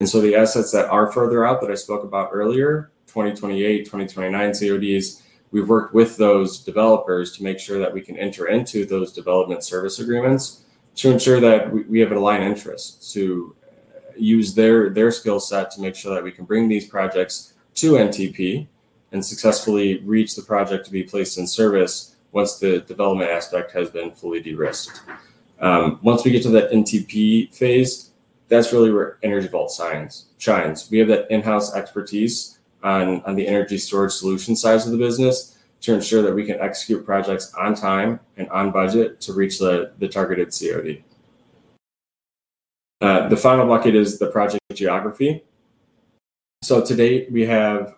Speaker 3: The assets that are further out that I spoke about earlier, 2028, 2029 CODs, we've worked with those developers to make sure that we can enter into those development service agreements to ensure that we have an aligned interest to use their skill set to make sure that we can bring these projects to NTP and successfully reach the project to be placed in service once the development aspect has been fully de-risked. Once we get to that NTP phase, that's really where Energy Vault shines. We have that in-house expertise on the energy storage solution side of the business to ensure that we can execute projects on time and on budget to reach the targeted COD. The final bucket is the project geography. Today we have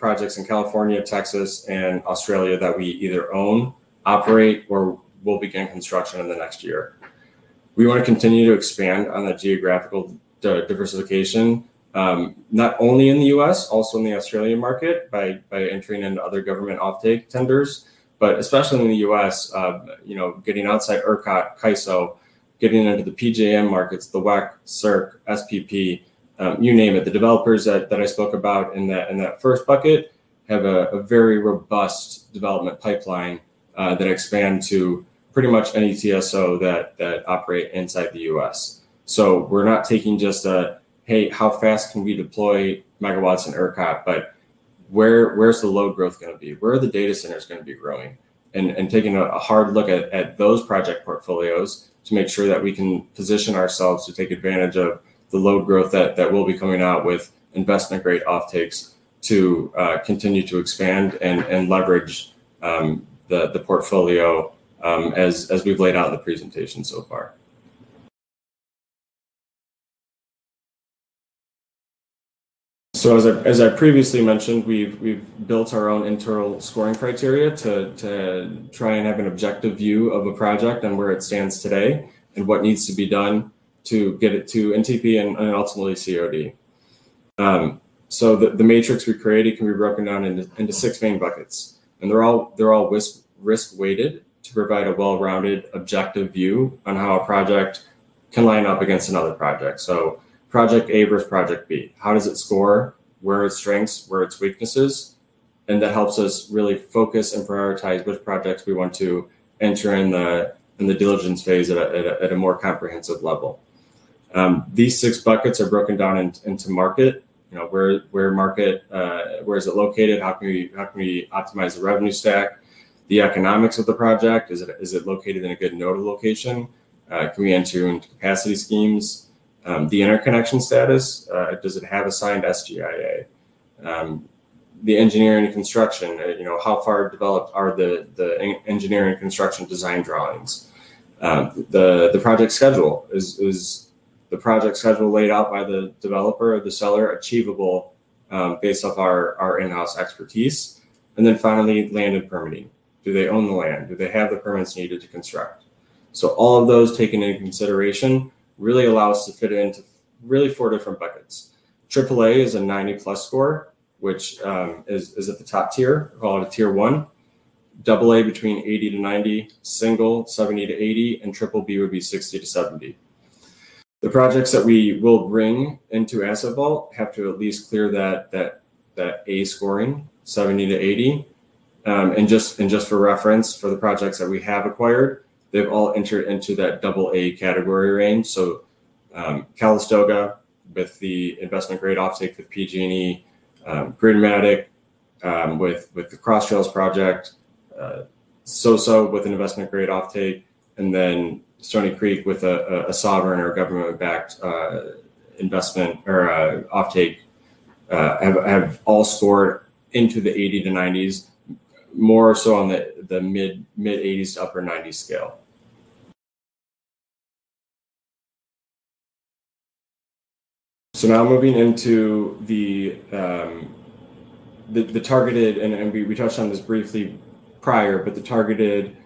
Speaker 3: projects in California, Texas, and Australia that we either own, operate, or will begin construction in the next year. We want to continue to expand on the geographical diversification, not only in the U.S., also in the Australian market by entering into other government offtake tenders, but especially in the U.S., getting outside ERCOT, CAISO, getting into the PJM markets, the WECC, SERC, SPP, you name it. The developers that I spoke about in that first bucket have a very robust development pipeline that expands to pretty much any TSO that operate inside the U.S. We're not taking just a, hey, how fast can we deploy megawatts in ERCOT, but where's the load growth going to be? Where are the data centers going to be growing? Taking a hard look at those project portfolios to make sure that we can position ourselves to take advantage of the load growth that will be coming out with investment-grade offtakes to continue to expand and leverage the portfolio as we've laid out in the presentation so far. As I previously mentioned, we've built our own internal scoring criteria to try and have an objective view of a project and where it stands today and what needs to be done to get it to NTP and ultimately COD. The matrix we created can be broken down into six main buckets, and they're all risk-weighted to provide a well-rounded objective view on how a project can line up against another project. Project A versus project B, how does it score, where are its strengths, where are its weaknesses? That helps us really focus and prioritize which projects we want to enter in the diligence phase at a more comprehensive level. These six buckets are broken down into market. Where is it located? How can we optimize the revenue stack? The economics of the project, is it located in a good nodal location? Can we enter into capacity schemes? The interconnection status, does it have assigned SGIA? The engineering and construction, how far developed are the engineering and construction design drawings? The project schedule, is the project schedule laid out by the developer or the seller achievable based off our in-house expertise? Finally, land and permitting. Do they own the land? Do they have the permits needed to construct? All of those taken into consideration really allow us to fit it into four different buckets. AAA is a 90+ score, which is at the top tier, called a Tier 1. AA between 80-90, single 70-80, and BBB would be 60-70. The projects that we will bring into Asset Vault have to at least clear that A scoring, 70-80. Just for reference, for the projects that we have acquired, they've all entered into that AA category range. Calistoga with the investment-grade offtake with PG&E, Gridmatic with the Cross Trails project, SOSA with an investment-grade offtake, and Stoney Creek with a sovereign or government-backed investment or offtake have all scored into the 80-90s, more so on the mid 80s to upper 90s scale. Now moving into the targeted, and we touched on this briefly prior, but the targeted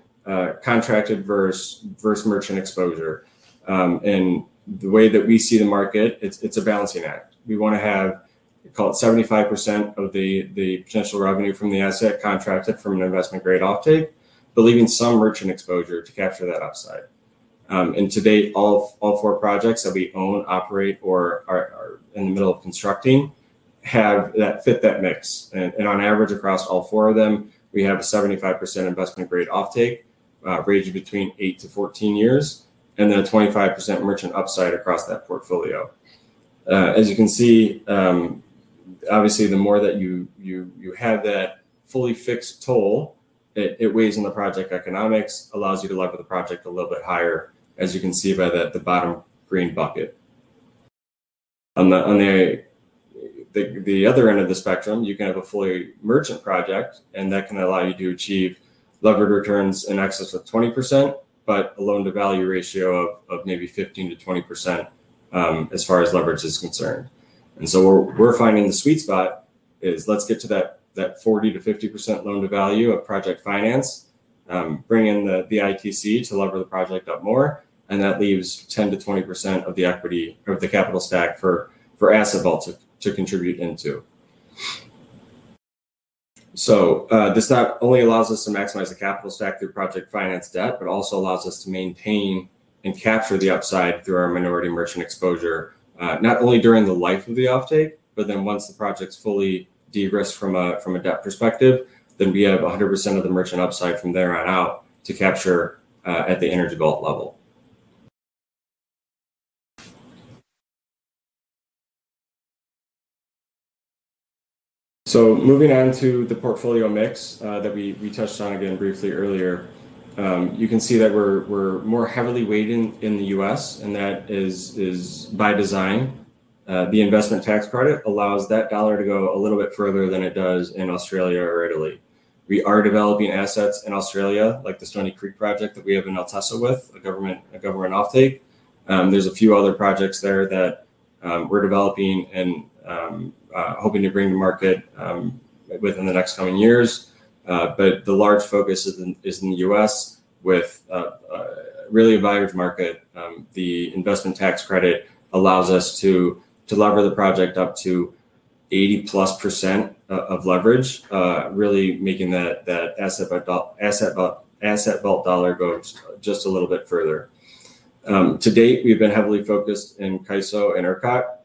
Speaker 3: contracted versus merchant exposure. The way that we see the market, it's a balancing act. We want to have, call it 75% of the potential revenue from the asset contracted from an investment-grade offtake, but leaving some merchant exposure to capture that upside. Today, all four projects that we own, operate, or are in the middle of constructing fit that mix. On average, across all four of them, we have a 75% investment-grade offtake ranging between 8-14 years, and a 25% merchant upside across that portfolio. As you can see, the more that you have that fully fixed toll, it weighs in the project economics, allows you to lever the project a little bit higher, as you can see by the bottom green bucket. On the other end of the spectrum, you can have a fully merchant project, and that can allow you to achieve levered returns in excess of 20%, but a loan-to-value ratio of maybe 15%-20% as far as leverage is concerned. We're finding the sweet spot is let's get to that 40%-50% loan-to-value of project finance, bring in the ITC to lever the project up more, and that leaves 10%-20% of the equity of the capital stack for Asset Vault to contribute into. This not only allows us to maximize the capital stack through project finance debt, but also allows us to maintain and capture the upside through our minority merchant exposure, not only during the life of the offtake, but once the project's fully de-risked from a debt perspective, we have 100% of the merchant upside from there on out to capture at the Energy Vault level. Moving on to the portfolio mix that we touched on again briefly earlier, you can see that we're more heavily weighted in the U.S., and that is by design. The investment tax credit allows that dollar to go a little bit further than it does in Australia or Italy. We are developing assets in Australia, like the Stoney Creek project that we have in El Teso with a government offtake. There are a few other projects there that we're developing and hoping to bring to market within the next coming years. The large focus is in the U.S. with really a valued market. The investment tax credit allows us to lever the project up to 80%+ of leverage, really making that Asset Vault dollar go just a little bit further. To date, we've been heavily focused in CAISO and ERCOT.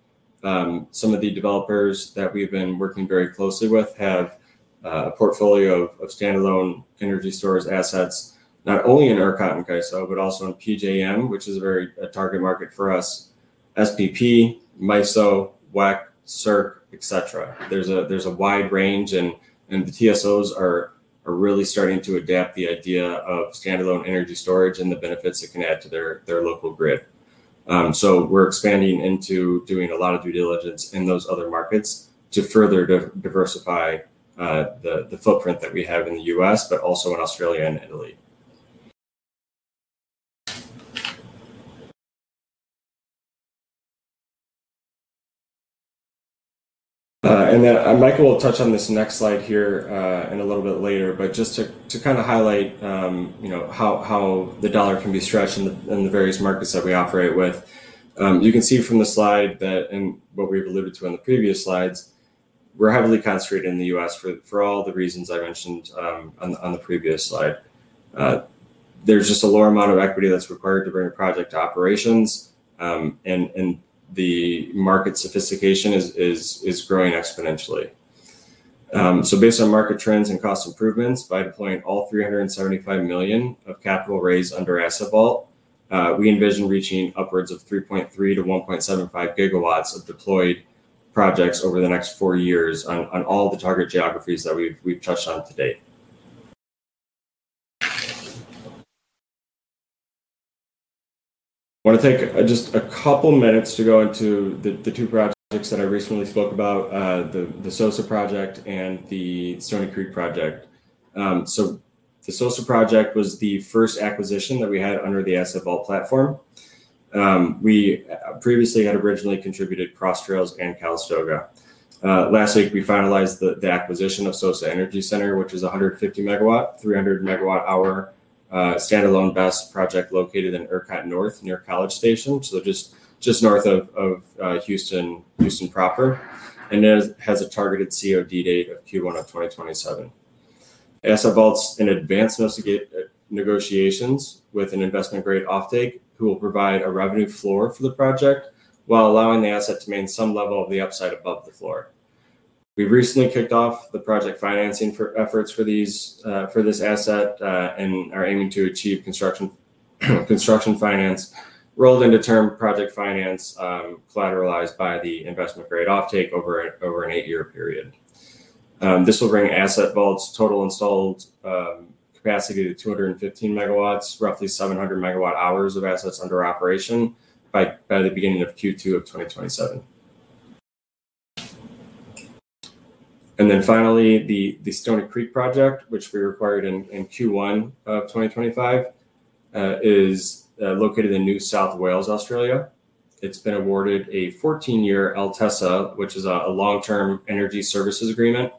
Speaker 3: Some of the developers that we've been working very closely with have a portfolio of standalone energy storage assets, not only in ERCOT and CAISO, but also in PJM, which is a very target market for us, SPP, MISO, WECC, SERC, etc. There's a wide range, and the TSOs are really starting to adapt the idea of standalone energy storage and the benefits it can add to their local grid. We're expanding into doing a lot of due diligence in those other markets to further diversify the footprint that we have in the U.S., but also in Australia and Italy. Michael will touch on this next slide here a little bit later, but just to highlight how the dollar can be stretched in the various markets that we operate with, you can see from the slide that, and what we've alluded to in the previous slides, we're heavily concentrated in the U.S. for all the reasons I mentioned on the previous slide. There's just a lower amount of equity that's required to bring a project to operations, and the market sophistication is growing exponentially. Based on market trends and cost improvements, by deploying all $375 million of capital raised under Asset Vault, we envision reaching upwards of 3.3 GW-1.75 GW of deployed projects over the next four years on all the target geographies that we've touched on to date. I want to take just a couple of minutes to go into the two projects that I recently spoke about, the SOSA project and the Stoney Creek project. The SOSA project was the first acquisition that we had under the Asset Vault platform. We previously had originally contributed Cross Trails and Calistoga. Last week, we finalized the acquisition of SOSA Energy Center, which is a 150 MW, 300 MWh standalone BESS project located in ERCOT North near College Station, just north of Houston proper, and it has a targeted COD date of Q1 of 2027. Asset Vault's in advanced negotiations with an investment-grade offtake who will provide a revenue floor for the project while allowing the asset to maintain some level of the upside above the floor. We've recently kicked off the project financing efforts for this asset and are aiming to achieve construction finance, rolled into term project finance collateralized by the investment-grade offtake over an eight-year period. This will bring Asset Vault's total installed capacity to 215 MW, roughly 700 MWh of assets under operation by the beginning of Q2 of 2027. Finally, the Stoney Creek project, which we acquired in Q1 of 2025, is located in New South Wales, Australia. It's been awarded a 14-year LTESA, which is a long-term energy services agreement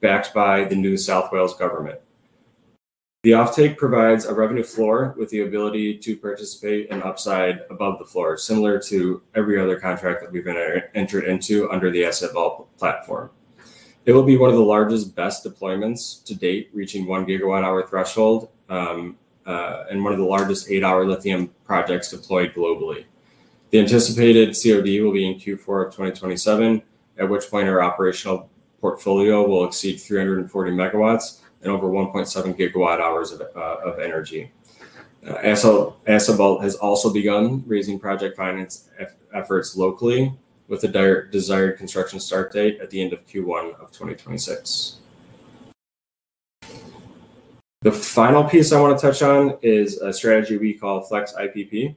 Speaker 3: backed by the New South Wales Government. The offtake provides a revenue floor with the ability to participate in upside above the floor, similar to every other contract that we've entered into under the Asset Vault platform. It will be one of the largest BESS deployments to date, reaching one gigawatt hour threshold, and one of the largest eight-hour lithium projects deployed globally. The anticipated COD will be in Q4 of 2027, at which point our operational portfolio will exceed 340 MW and over 1.7 GWh of energy. Asset Vault has also begun raising project finance efforts locally with a desired construction start date at the end of Q1 of 2026. The final piece I want to touch on is a strategy we call Flex IPP,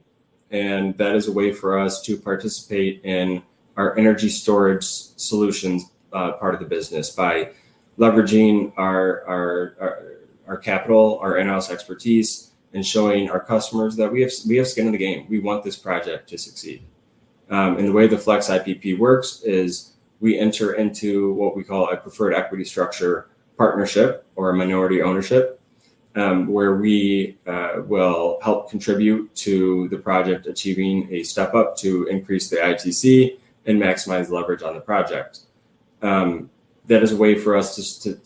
Speaker 3: and that is a way for us to participate in our energy storage solutions part of the business by leveraging our capital, our in-house expertise, and showing our customers that we have skin in the game. We want this project to succeed. The way the Flex IPP works is we enter into what we call a preferred equity structure partnership or a minority ownership, where we will help contribute to the project achieving a step up to increase the ITC and maximize leverage on the project. That is a way for us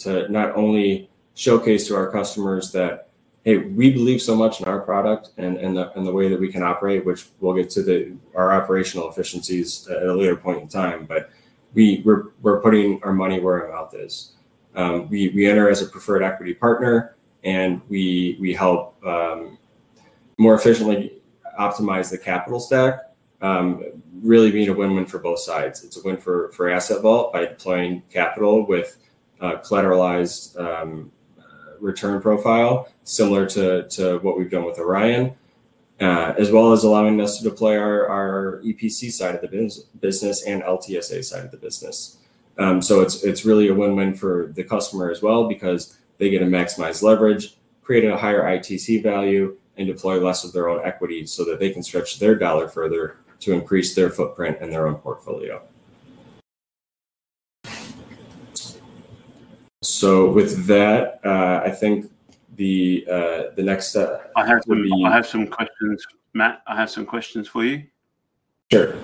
Speaker 3: to not only showcase to our customers that, hey, we believe so much in our product and the way that we can operate, which we'll get to our operational efficiencies at a later point in time, but we're putting our money where our mouth is. We enter as a preferred equity partner, and we help more efficiently optimize the capital stack, really being a win-win for both sides. It's a win for Asset Vault by deploying capital with a collateralized return profile similar to what we've done with Orion, as well as allowing us to deploy our EPC side of the business and LTSA side of the business. It's really a win-win for the customer as well because they get a maximized leverage, create a higher ITC value, and deploy less of their own equity so that they can stretch their dollar further to increase their footprint and their own portfolio. With that, I think the next step would be.
Speaker 1: I have some questions. Matt, I have some questions for you.
Speaker 3: Sure.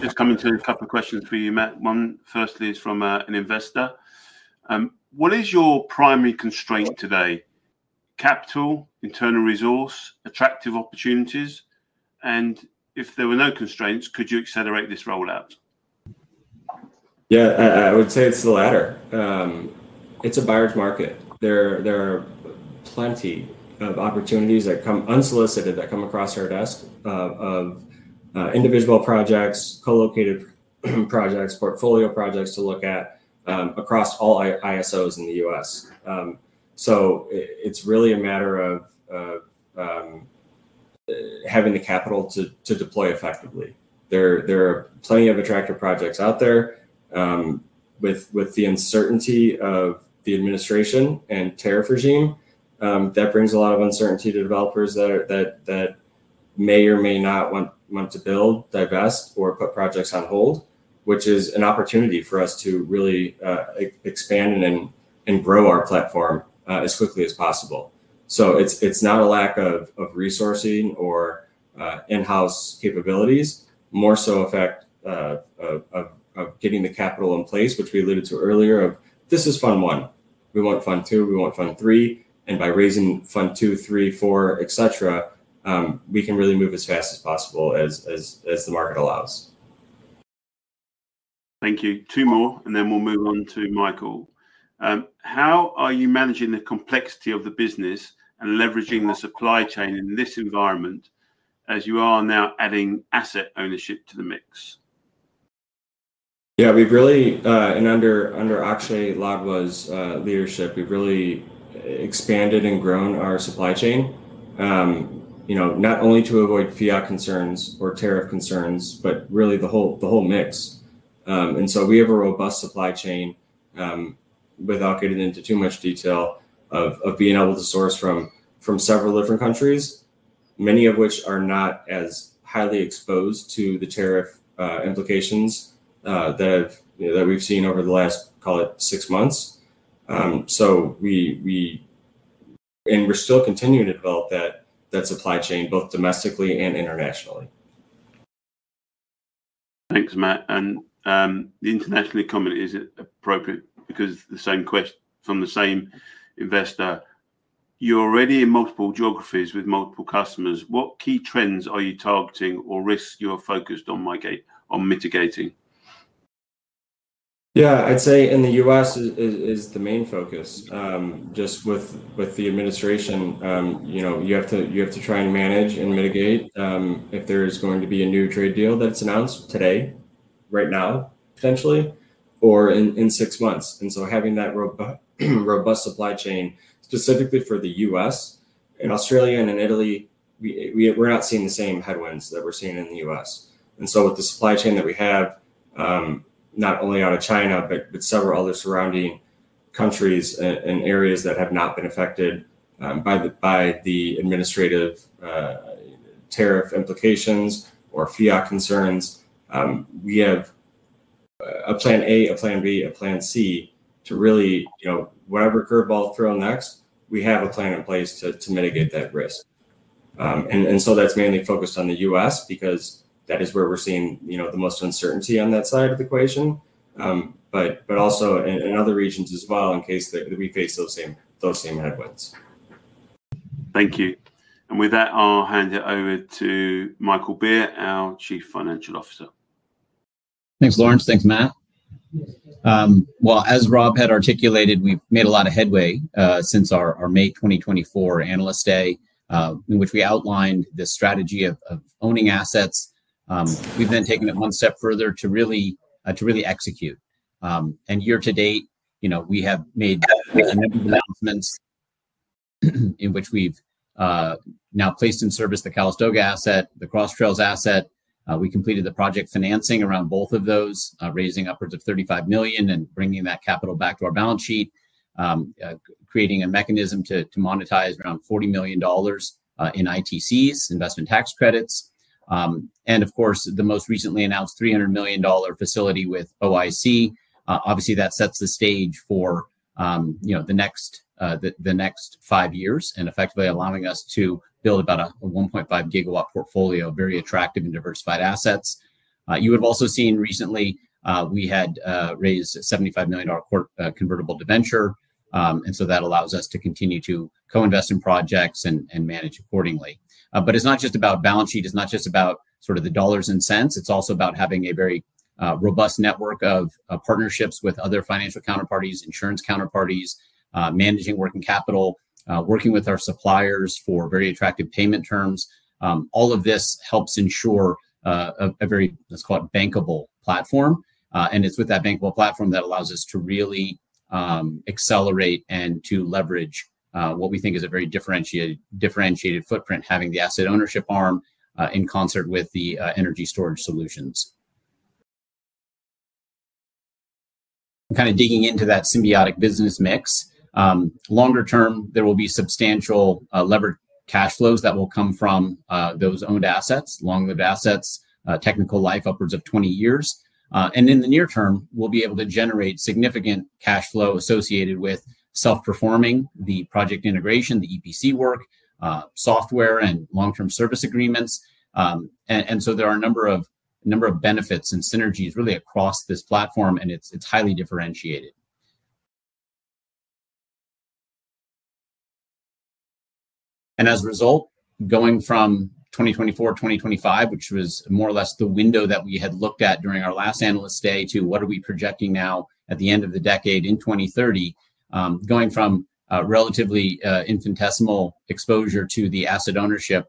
Speaker 1: Just coming to a couple of questions for you, Matt. One firstly is from an investor. What is your primary constraint today? Capital, internal resource, attractive opportunities? If there were no constraints, could you accelerate this rollout?
Speaker 3: Yeah, I would say it's the latter. It's a buyer's market. There are plenty of opportunities that come unsolicited that come across our desk of individual projects, co-located projects, portfolio projects to look at across all ISOs in the U.S. It's really a matter of having the capital to deploy effectively. There are plenty of attractive projects out there. With the uncertainty of the administration and tariff regime, that brings a lot of uncertainty to developers that may or may not want to build, divest, or put projects on hold, which is an opportunity for us to really expand and grow our platform as quickly as possible. It's not a lack of resourcing or in-house capabilities, more so an effect of getting the capital in place, which we alluded to earlier, of this is Fund 1. We want Fund 2, we want Fund 3, and by raising Fund 2, 3, 4, etc., we can really move as fast as possible as the market allows.
Speaker 1: Thank you. Two more, and then we'll move on to Michael. How are you managing the complexity of the business and leveraging the supply chain in this environment as you are now adding asset ownership to the mix?
Speaker 3: Yeah, we've really, and under Akshay Ladwa's leadership, we've really expanded and grown our supply chain, not only to avoid tariff concerns, but really the whole mix. We have a robust supply chain, without getting into too much detail, of being able to source from several different countries, many of which are not as highly exposed to the tariff implications that we've seen over the last, call it, six months. We're still continuing to develop that supply chain, both domestically and internationally.
Speaker 1: Thanks, Matt. The international comment is appropriate because the same question from the same investor. You're already in multiple geographies with multiple customers. What key trends are you targeting or risks you are focused on mitigating?
Speaker 3: Yeah, I'd say in the U.S. is the main focus. Just with the administration, you have to try and manage and mitigate if there is going to be a new trade deal that's announced today, right now, potentially, or in six months. Having that robust supply chain specifically for the U.S., in Australia and in Italy, we're not seeing the same headwinds that we're seeing in the U.S. With the supply chain that we have, not only out of China, but several other surrounding countries and areas that have not been affected by the administrative tariff implications or fiat concerns, we have a plan A, a plan B, a plan C to really, you know, whatever curveball thrown next, we have a plan in place to mitigate that risk. That's mainly focused on the U.S. because that is where we're seeing the most uncertainty on that side of the equation, but also in other regions as well in case that we face those same headwinds.
Speaker 1: Thank you. With that, I'll hand it over to Michael Beer, our Chief Financial Officer.
Speaker 6: Thanks, Laurence. Thanks, Matt. As Rob had articulated, we've made a lot of headway since our May 2024 analyst day, in which we outlined the strategy of owning assets. We've then taken it one step further to really execute. Year to date, we have made a number of announcements in which we've now placed in service the Calistoga asset, the Cross Trails asset. We completed the project financing around both of those, raising upwards of $35 million and bringing that capital back to our balance sheet, creating a mechanism to monetize around $40 million in ITCs, investment tax credits, and of course, the most recently announced $300 million facility with OIC. Obviously, that sets the stage for the next five years and effectively allows us to build about a 1.5 GW portfolio of very attractive and diversified assets. You would have also seen recently, we had raised a $75 million convertible to venture, and that allows us to continue to co-invest in projects and manage accordingly. It's not just about balance sheet. It's not just about sort of the dollars and cents. It's also about having a very robust network of partnerships with other financial counterparties, insurance counterparties, managing working capital, working with our suppliers for very attractive payment terms. All of this helps ensure a very, let's call it bankable platform, and it's with that bankable platform that allows us to really accelerate and to leverage what we think is a very differentiated footprint, having the asset ownership arm in concert with the energy storage solutions. Kind of digging into that symbiotic business mix, longer term, there will be substantial levered cash flows that will come from those owned assets, long-lived assets, technical life upwards of 20 years. In the near term, we'll be able to generate significant cash flow associated with self-performing the project integration, the EPC work, software, and long-term service agreements. There are a number of benefits and synergies really across this platform, and it's highly differentiated. As a result, going from 2024, 2025, which was more or less the window that we had looked at during our. Standalone Today to what are we projecting now at the end of the decade in 2030, going from a relatively infinitesimal exposure to the asset ownership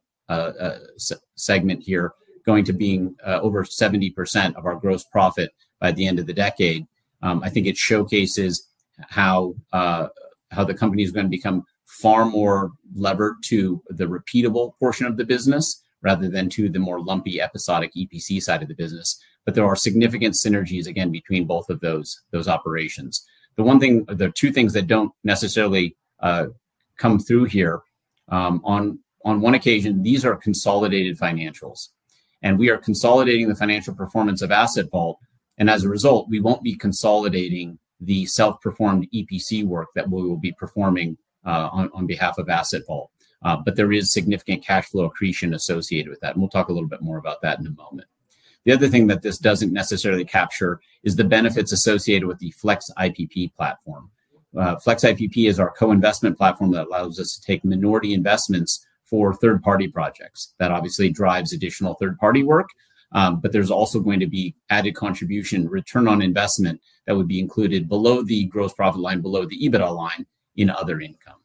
Speaker 6: segment here, going to being over 70% of our gross profit by the end of the decade. I think it showcases how the company is going to become far more levered to the repeatable portion of the business rather than to the more lumpy episodic EPC side of the business. There are significant synergies, again, between both of those operations. The one thing, the two things that don't necessarily come through here, on one occasion, these are consolidated financials. We are consolidating the financial performance of Asset Vault. As a result, we won't be consolidating the self-performed EPC work that we will be performing on behalf of Asset Vault. There is significant cash flow accretion associated with that. We'll talk a little bit more about that in a moment. The other thing that this doesn't necessarily capture is the benefits associated with the Flex IPP platform. Flex IPP is our co-investment platform that allows us to take minority investments for third-party projects. That obviously drives additional third-party work. There is also going to be added contribution return on investment that would be included below the gross profit line, below the EBITDA line in other income.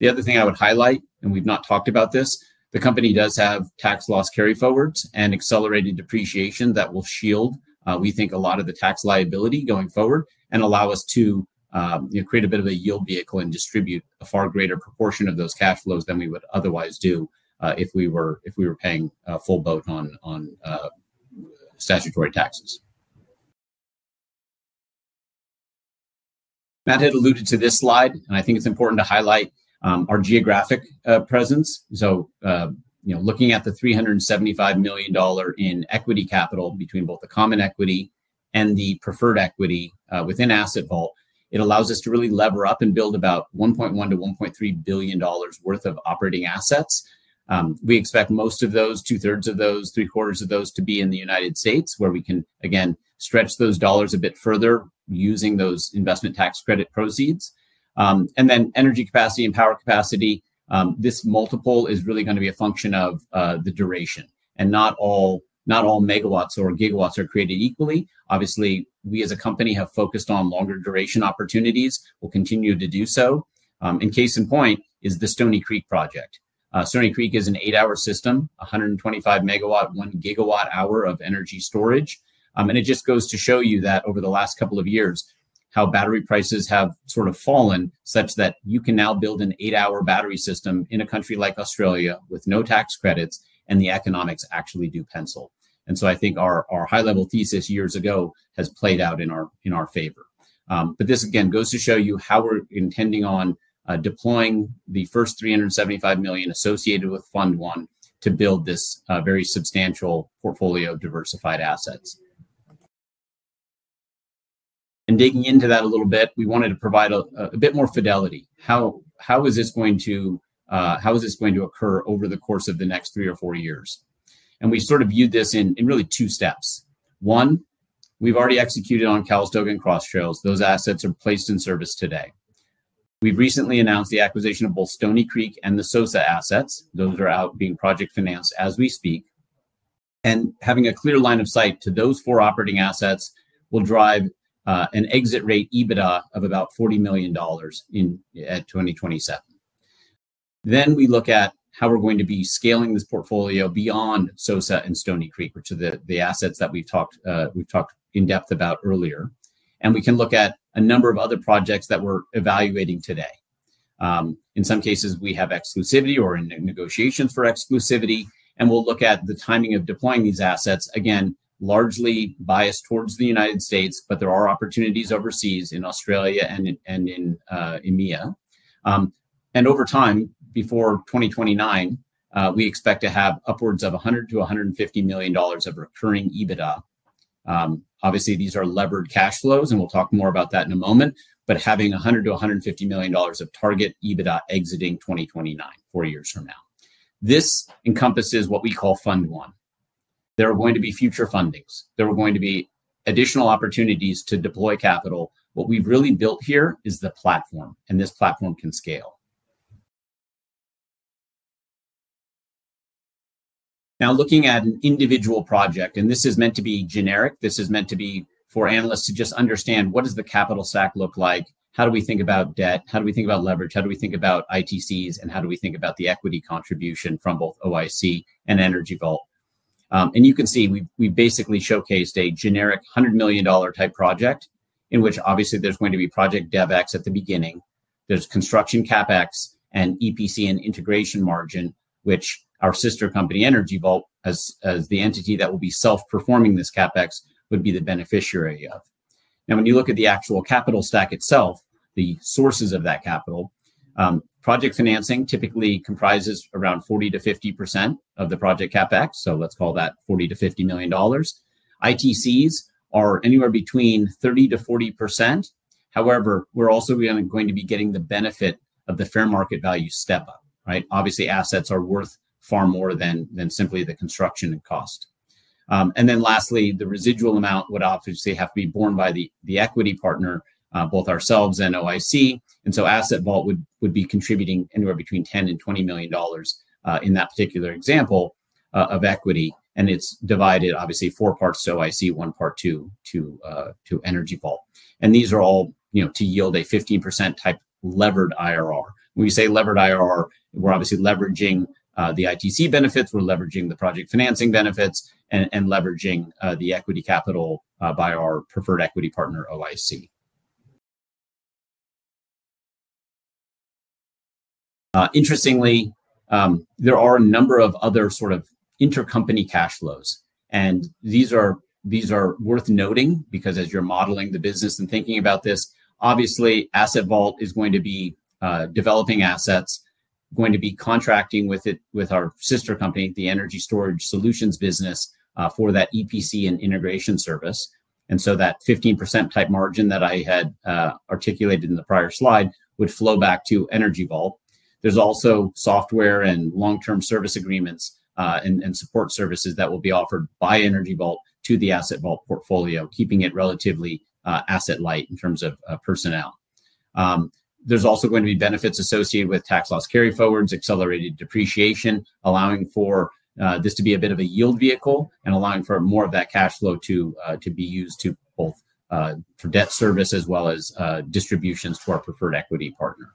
Speaker 6: The other thing I would highlight, and we've not talked about this, the company does have tax loss carryforwards and accelerated depreciation that will shield, we think, a lot of the tax liability going forward and allow us to create a bit of a yield vehicle and distribute a far greater proportion of those cash flows than we would otherwise do if we were paying full boat on statutory taxes. Matt had alluded to this slide. I think it's important to highlight our geographic presence. Looking at the $375 million in equity capital between both the common equity and the preferred equity within Asset Vault, it allows us to really lever up and build about $1.1 billion-$1.3 billion worth of operating assets. We expect most of those, 2/3 of those, 3/4 of those to be in the United States, where we can, again, stretch those dollars a bit further using those investment tax credit proceeds. Energy capacity and power capacity, this multiple is really going to be a function of the duration. Not all megawatts or gigawatts are created equally. Obviously, we as a company have focused on longer duration opportunities. We'll continue to do so. A case in point is the Stoney Creek project. Stoney Creek is an eight-hour system, 125 MW, 1 GWh of energy storage. It just goes to show you that over the last couple of years, how battery prices have sort of fallen such that you can now build an eight-hour battery system in a country like Australia with no tax credits. The economics actually do pencil. I think our high-level thesis years ago has played out in our favor. This, again, goes to show you how we're intending on deploying the first $375 million associated with Fund 1 to build this very substantial portfolio of diversified assets. Digging into that a little bit, we wanted to provide a bit more fidelity. How is this going to occur over the course of the next three or four years? We sort of viewed this in really two steps. One, we've already executed on Calistoga and Cross Trails. Those assets are placed in service today. We've recently announced the acquisition of both Stoney Creek and the SOSA assets. Those are out being project financed as we speak. Having a clear line of sight to those four operating assets will drive an exit rate EBITDA of about $40 million in at 2027. We look at how we're going to be scaling this portfolio beyond SOSA and Stoney Creek, which are the assets that we've talked in depth about earlier. We can look at a number of other projects that we're evaluating today. In some cases, we have exclusivity or are in negotiations for exclusivity. We'll look at the timing of deploying these assets, again, largely biased towards the United States. There are opportunities overseas in Australia and in EMEA. Over time, before 2029, we expect to have upwards of $100 million-$150 million of recurring EBITDA. Obviously, these are levered cash flows. We'll talk more about that in a moment. Having $100 million-$150 million of target EBITDA exiting 2029, four years from now, encompasses what we call Fund 1. There are going to be future fundings. There are going to be additional opportunities to deploy capital. What we've really built here is the platform. This platform can scale. Now, looking at an individual project, and this is meant to be generic. This is meant to be for analysts to just understand what does the capital stack look like? How do we think about debt? How do we think about leverage? How do we think about ITCs? How do we think about the equity contribution from both OIC and Energy Vault? You can see, we basically showcased a generic $100 million type project in which, obviously, there's going to be project DevEx at the beginning. There's construction CapEx and EPC and integration margin, which our sister company, Energy Vault, as the entity that will be self-performing this CapEx, would be the beneficiary of. When you look at the actual capital stack itself, the sources of that capital, project financing tyPIKally comprises around 40%-50% of the project CapEx. Let's call that $40 million-$50 million. ITCs are anywhere between 30%-40%. We are also going to be getting the benefit of the fair market value step up. Obviously, assets are worth far more than simply the construction cost. Lastly, the residual amount would have to be borne by the equity partner, both ourselves and OIC. Asset Vault would be contributing anywhere between $10 million and $20 million in that particular example of equity. It's divided, obviously, four parts to OIC, one part to Energy Vault. These are all to yield a 15% type levered IRR. When we say levered IRR, we're leveraging the ITC benefits, leveraging the project financing benefits, and leveraging the equity capital by our preferred equity partner, OIC. Interestingly, there are a number of other sort of intercompany cash flows. These are worth noting because as you're modeling the business and thinking about this, Asset Vault is going to be developing assets, going to be contracting with our sister company, the energy storage solutions business, for that EPC and integration service. That 15% type margin that I had articulated in the prior slide would flow back to Energy Vault. There's also software and long-term service agreements and support services that will be offered by Energy Vault to the Asset Vault portfolio, keeping it relatively asset light in terms of personnel. There's also going to be benefits associated with tax loss carryforwards, accelerated depreciation, allowing for this to be a bit of a yield vehicle and allowing for more of that cash flow to be used for debt service as well as distributions to our preferred equity partner.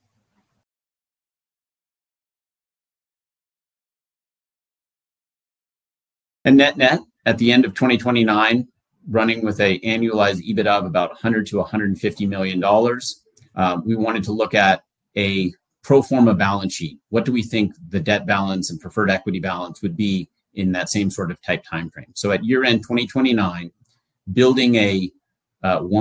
Speaker 6: Net-net, at the end of 2029, running with an annualized EBITDA of about $100 million-$150 million, we wanted to look at a pro forma balance sheet. What do we think the debt balance and preferred equity balance would be in that same sort of time frame? At year-end 2029, building over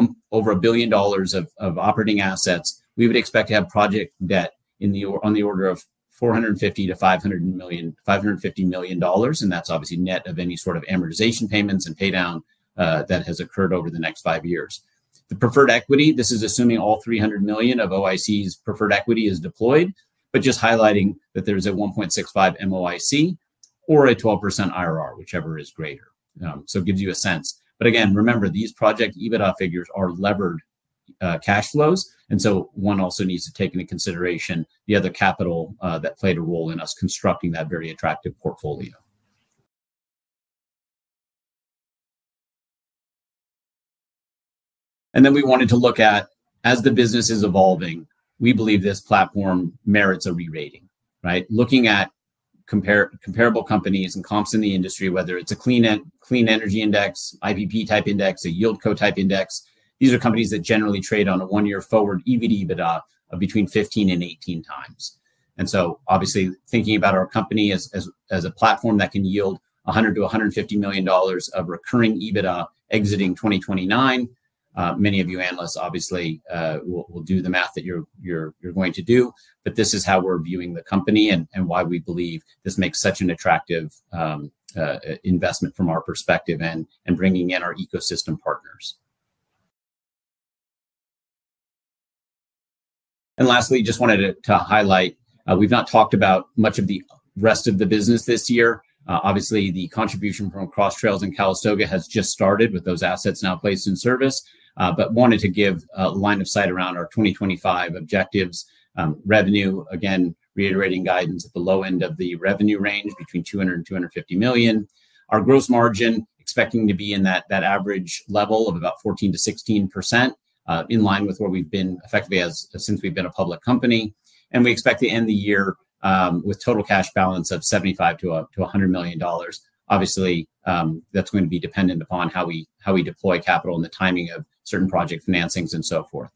Speaker 6: $1 billion of operating assets, we would expect to have project debt on the order of $450 million-$550 million. That is obviously net of any sort of amortization payments and paydown that has occurred over the next five years. The preferred equity, this is assuming all $300 million of OIC's preferred equity is deployed, but just highlighting that there's a 1.65 MOIC or a 12% IRR, whichever is greater. It gives you a sense. Again, remember, these project EBITDA figures are levered cash flows. One also needs to take into consideration the other capital that played a role in us constructing that very attractive portfolio. We wanted to look at, as the business is evolving, we believe this platform merits a rerating. Looking at comparable companies and comps in the industry, whether it's a clean energy index, IPP type index, a yield co-type index, these are companies that generally trade on a one-year forward EBIT/EBITDA of between 15x and 18x. Obviously, thinking about our company as a platform that can yield $100 million-$150 million of recurring EBITDA exiting 2029, many of you analysts obviously will do the math that you're going to do. This is how we're viewing the company and why we believe this makes such an attractive investment from our perspective and bringing in our ecosystem partners. Lastly, I just wanted to highlight, we've not talked about much of the rest of the business this year. Obviously, the contribution from Cross Trails and Calistoga has just started with those assets now placed in service. I wanted to give a line of sight around our 2025 objectives. Revenue, again, reiterating guidance at the low end of the revenue range, between $200 million-$250 million. Our gross margin, expecting to be in that average level of about 14%-16%, in line with where we've been effectively since we've been a public company. We expect to end the year with a total cash balance of $75 million-$100 million. Obviously, that's going to be dependent upon how we deploy capital and the timing of certain project financings and so forth.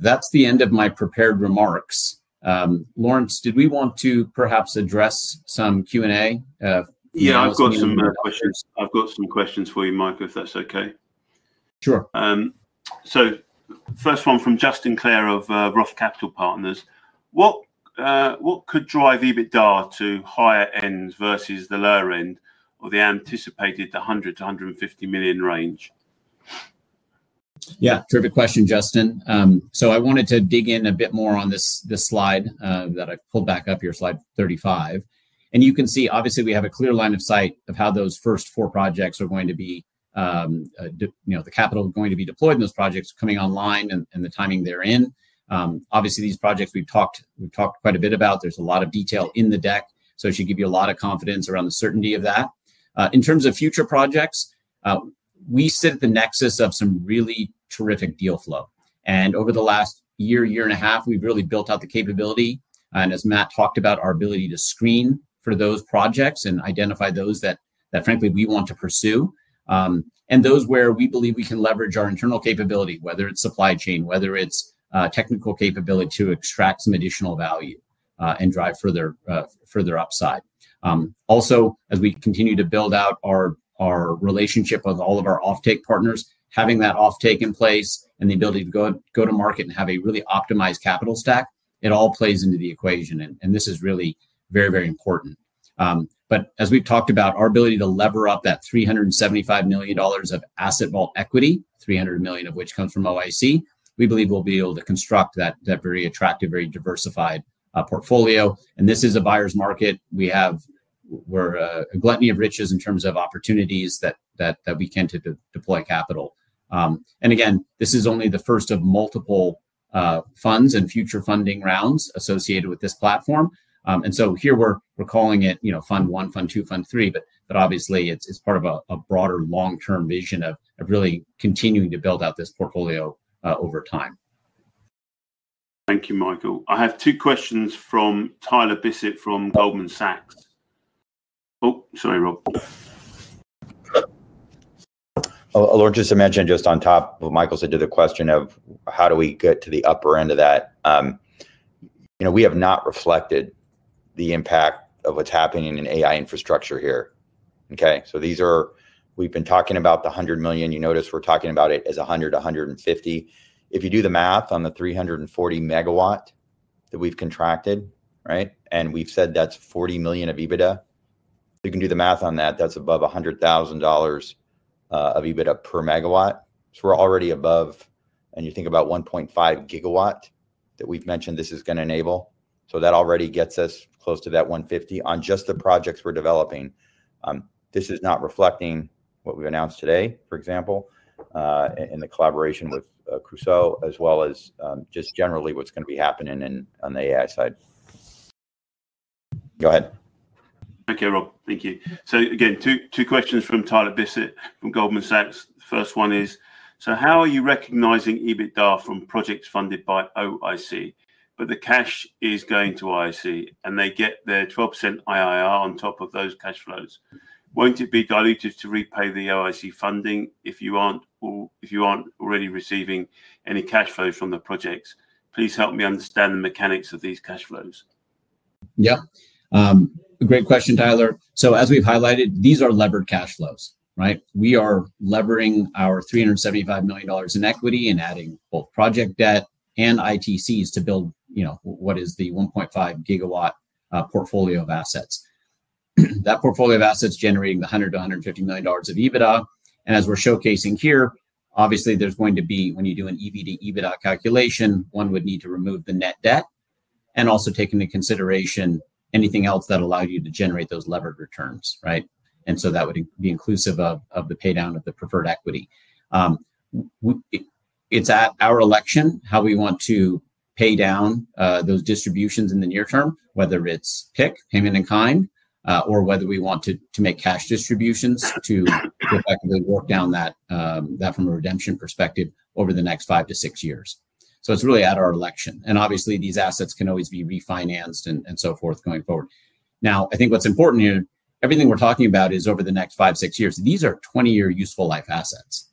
Speaker 6: That's the end of my prepared remarks. Laurence, did we want to perhaps address some Q&A?
Speaker 1: Yeah, I've got some questions for you, Mike, if that's OK.
Speaker 6: Sure.
Speaker 1: The first one from Justin Clare of Roth Capital Partners. What could drive EBITDA to higher ends versus the lower end or the anticipated $100 million-$150 million range?
Speaker 6: Yeah, terrific question, Justin. I wanted to dig in a bit more on this slide that I pulled back up here, slide 35. You can see, obviously, we have a clear line of sight of how those first four projects are going to be, the capital going to be deployed in those projects, coming online and the timing they're in. Obviously, these projects we've talked quite a bit about. There's a lot of detail in the deck. It should give you a lot of confidence around the certainty of that. In terms of future projects, we sit at the nexus of some really terrific deal flow. Over the last year, year and a half, we've really built out the capability. As Matt talked about, our ability to screen for those projects and identify those that, frankly, we want to pursue and those where we believe we can leverage our internal capability, whether it's supply chain, whether it's technical capability to extract some additional value and drive further upside. Also, as we continue to build out our relationship with all of our off-take partners, having that off-take in place and the ability to go to market and have a really optimized capital stack, it all plays into the equation. This is really very, very important. As we've talked about, our ability to lever up that $375 million of Asset Vault equity, $300 million of which comes from OIC, we believe we'll be able to construct that very attractive, very diversified portfolio. This is a buyer's market. We have a gluttony of riches in terms of opportunities that we can deploy capital. This is only the first of multiple funds and future funding rounds associated with this platform. Here, we're calling it Fund 1, Fund 2, Fund 3. Obviously, it's part of a broader long-term vision of really continuing to build out this portfolio over time.
Speaker 1: Thank you, Michael. I have two questions from Tyler Bisset from Goldman Sachs. Oh, sorry, Rob.
Speaker 2: Hello. Just to mention, on top of what Michael said to the question of how do we get to the upper end of that, we have not reflected the impact of what's happening in AI infrastructure here. We've been talking about the $100 million. You notice we're talking about it as $100 million-$150 million. If you do the math on the 340 MW that we've contracted, and we've said that's $40 million of EBITDA, you can do the math on that. That's above $100,000 of EBITDA per megawatt. We're already above, and you think about 1.5 GW that we've mentioned this is going to enable. That already gets us close to that $150 million on just the projects we're developing. This is not reflecting what we announced today, for example, in the collaboration with Crusoe, as well as just generally what's going to be happening on the AI side. Go ahead.
Speaker 1: OK, Rob. Thank you. Two questions from Tyler Bisset from Goldman Sachs. The first one is, how are you recognizing EBITDA from projects funded by OIC, but the cash is going to OIC, and they get their 12% IRR on top of those cash flows? Won't it be diluted to repay the OIC funding if you aren't already receiving any cash flows from the projects? Please help me understand the mechanics of these cash flows.
Speaker 6: Yeah, great question, Tyler. As we've highlighted, these are levered cash flows. We are levering our $375 million in equity and adding both project debt and ITCs to build what is the 1.5 GW portfolio of assets. That portfolio of assets is generating the $100 million-$150 million of EBITDA. As we're showcasing here, obviously, there's going to be, when you do an EBIT/EBITDA calculation, one would need to remove the net debt and also take into consideration anything else that allowed you to generate those levered returns. That would be inclusive of the paydown of the preferred equity. It's at our election how we want to pay down those distributions in the near term, whether it's PIK, payment in kind, or whether we want to make cash distributions to effectively work down that from a redemption perspective over the next five to six years. It's really at our election. Obviously, these assets can always be refinanced and so forth going forward. I think what's important here, everything we're talking about is over the next five, six years. These are 20-year useful life assets.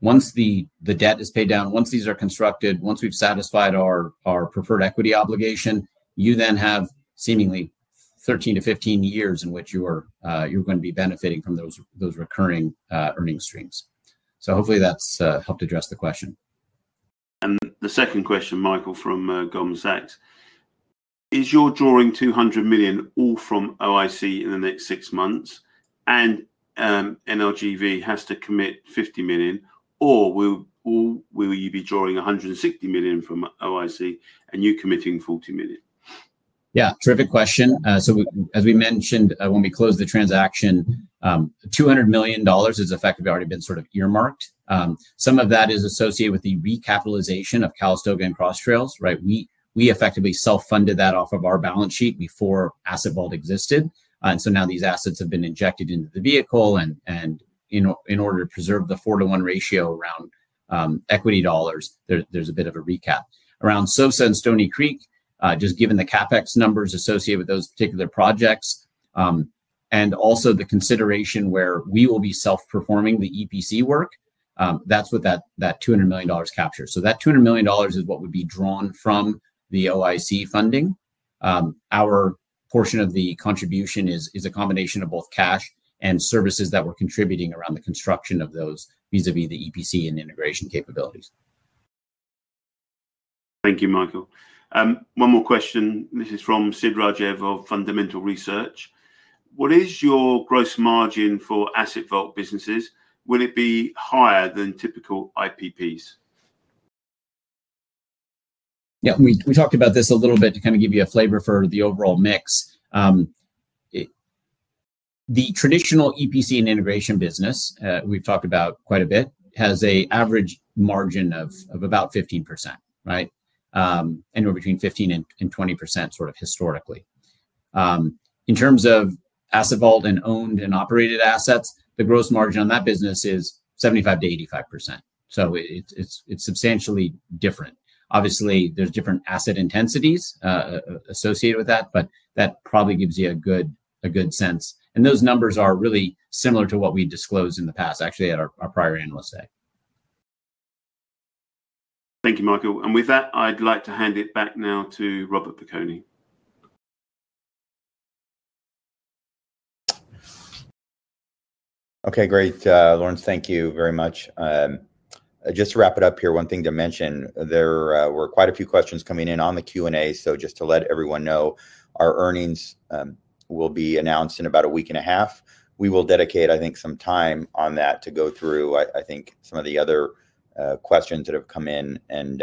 Speaker 6: Once the debt is paid down, once these are constructed, once we've satisfied our preferred equity obligation, you then have seemingly 13-15 years in which you're going to be benefiting from those recurring earning streams. Hopefully, that's helped address the question.
Speaker 1: The second question, Michael, from Goldman Sachs. Is your drawing $200 million all from OIC in the next six months and NRGV has to commit $50 million, or will you be drawing $160 million from OIC and you committing $40 million?
Speaker 6: Yeah, terrific question. As we mentioned, when we closed the transaction, $200 million has effectively already been sort of earmarked. Some of that is associated with the recapitalization of Calistoga and Cross Trails. We effectively self-funded that off of our balance sheet before Asset Vault existed. Now these assets have been injected into the vehicle. In order to preserve the 4:1 ratio around equity dollars, there's a bit of a recap. Around SOSA and Stoney Creek, just given the CapEx numbers associated with those particular projects and also the consideration where we will be self-performing the EPC work, that's what that $200 million captures. That $200 million is what would be drawn from the OIC funding. Our portion of the contribution is a combination of both cash and services that we're contributing around the construction of those vis-à-vis the EPC and integration capabilities.
Speaker 1: Thank you, Michael. One more question. This is from Sid Rajeev of Fundamental Research. What is your gross margin for Asset Vault businesses? Will it be higher than tyPIKal IPPs?
Speaker 6: Yeah, we talked about this a little bit to kind of give you a flavor for the overall mix. The traditional EPC and integration business we've talked about quite a bit has an average margin of about 15%, anywhere between 15% and 20% sort of historically. In terms of Asset Vault and owned and operated assets, the gross margin on that business is 75%-85%. It is substantially different. Obviously, there's different asset intensities associated with that. That probably gives you a good sense. Those numbers are really similar to what we disclosed in the past, actually, at our prior analysts' day.
Speaker 1: Thank you, Michael. With that, I'd like to hand it back now to Robert Piconi.
Speaker 2: OK, great. Laurence, thank you very much. Just to wrap it up here, one thing to mention, there were quite a few questions coming in on the Q&A. Just to let everyone know, our earnings will be announced in about a week and a half. We will dedicate, I think, some time on that to go through, I think, some of the other questions that have come in and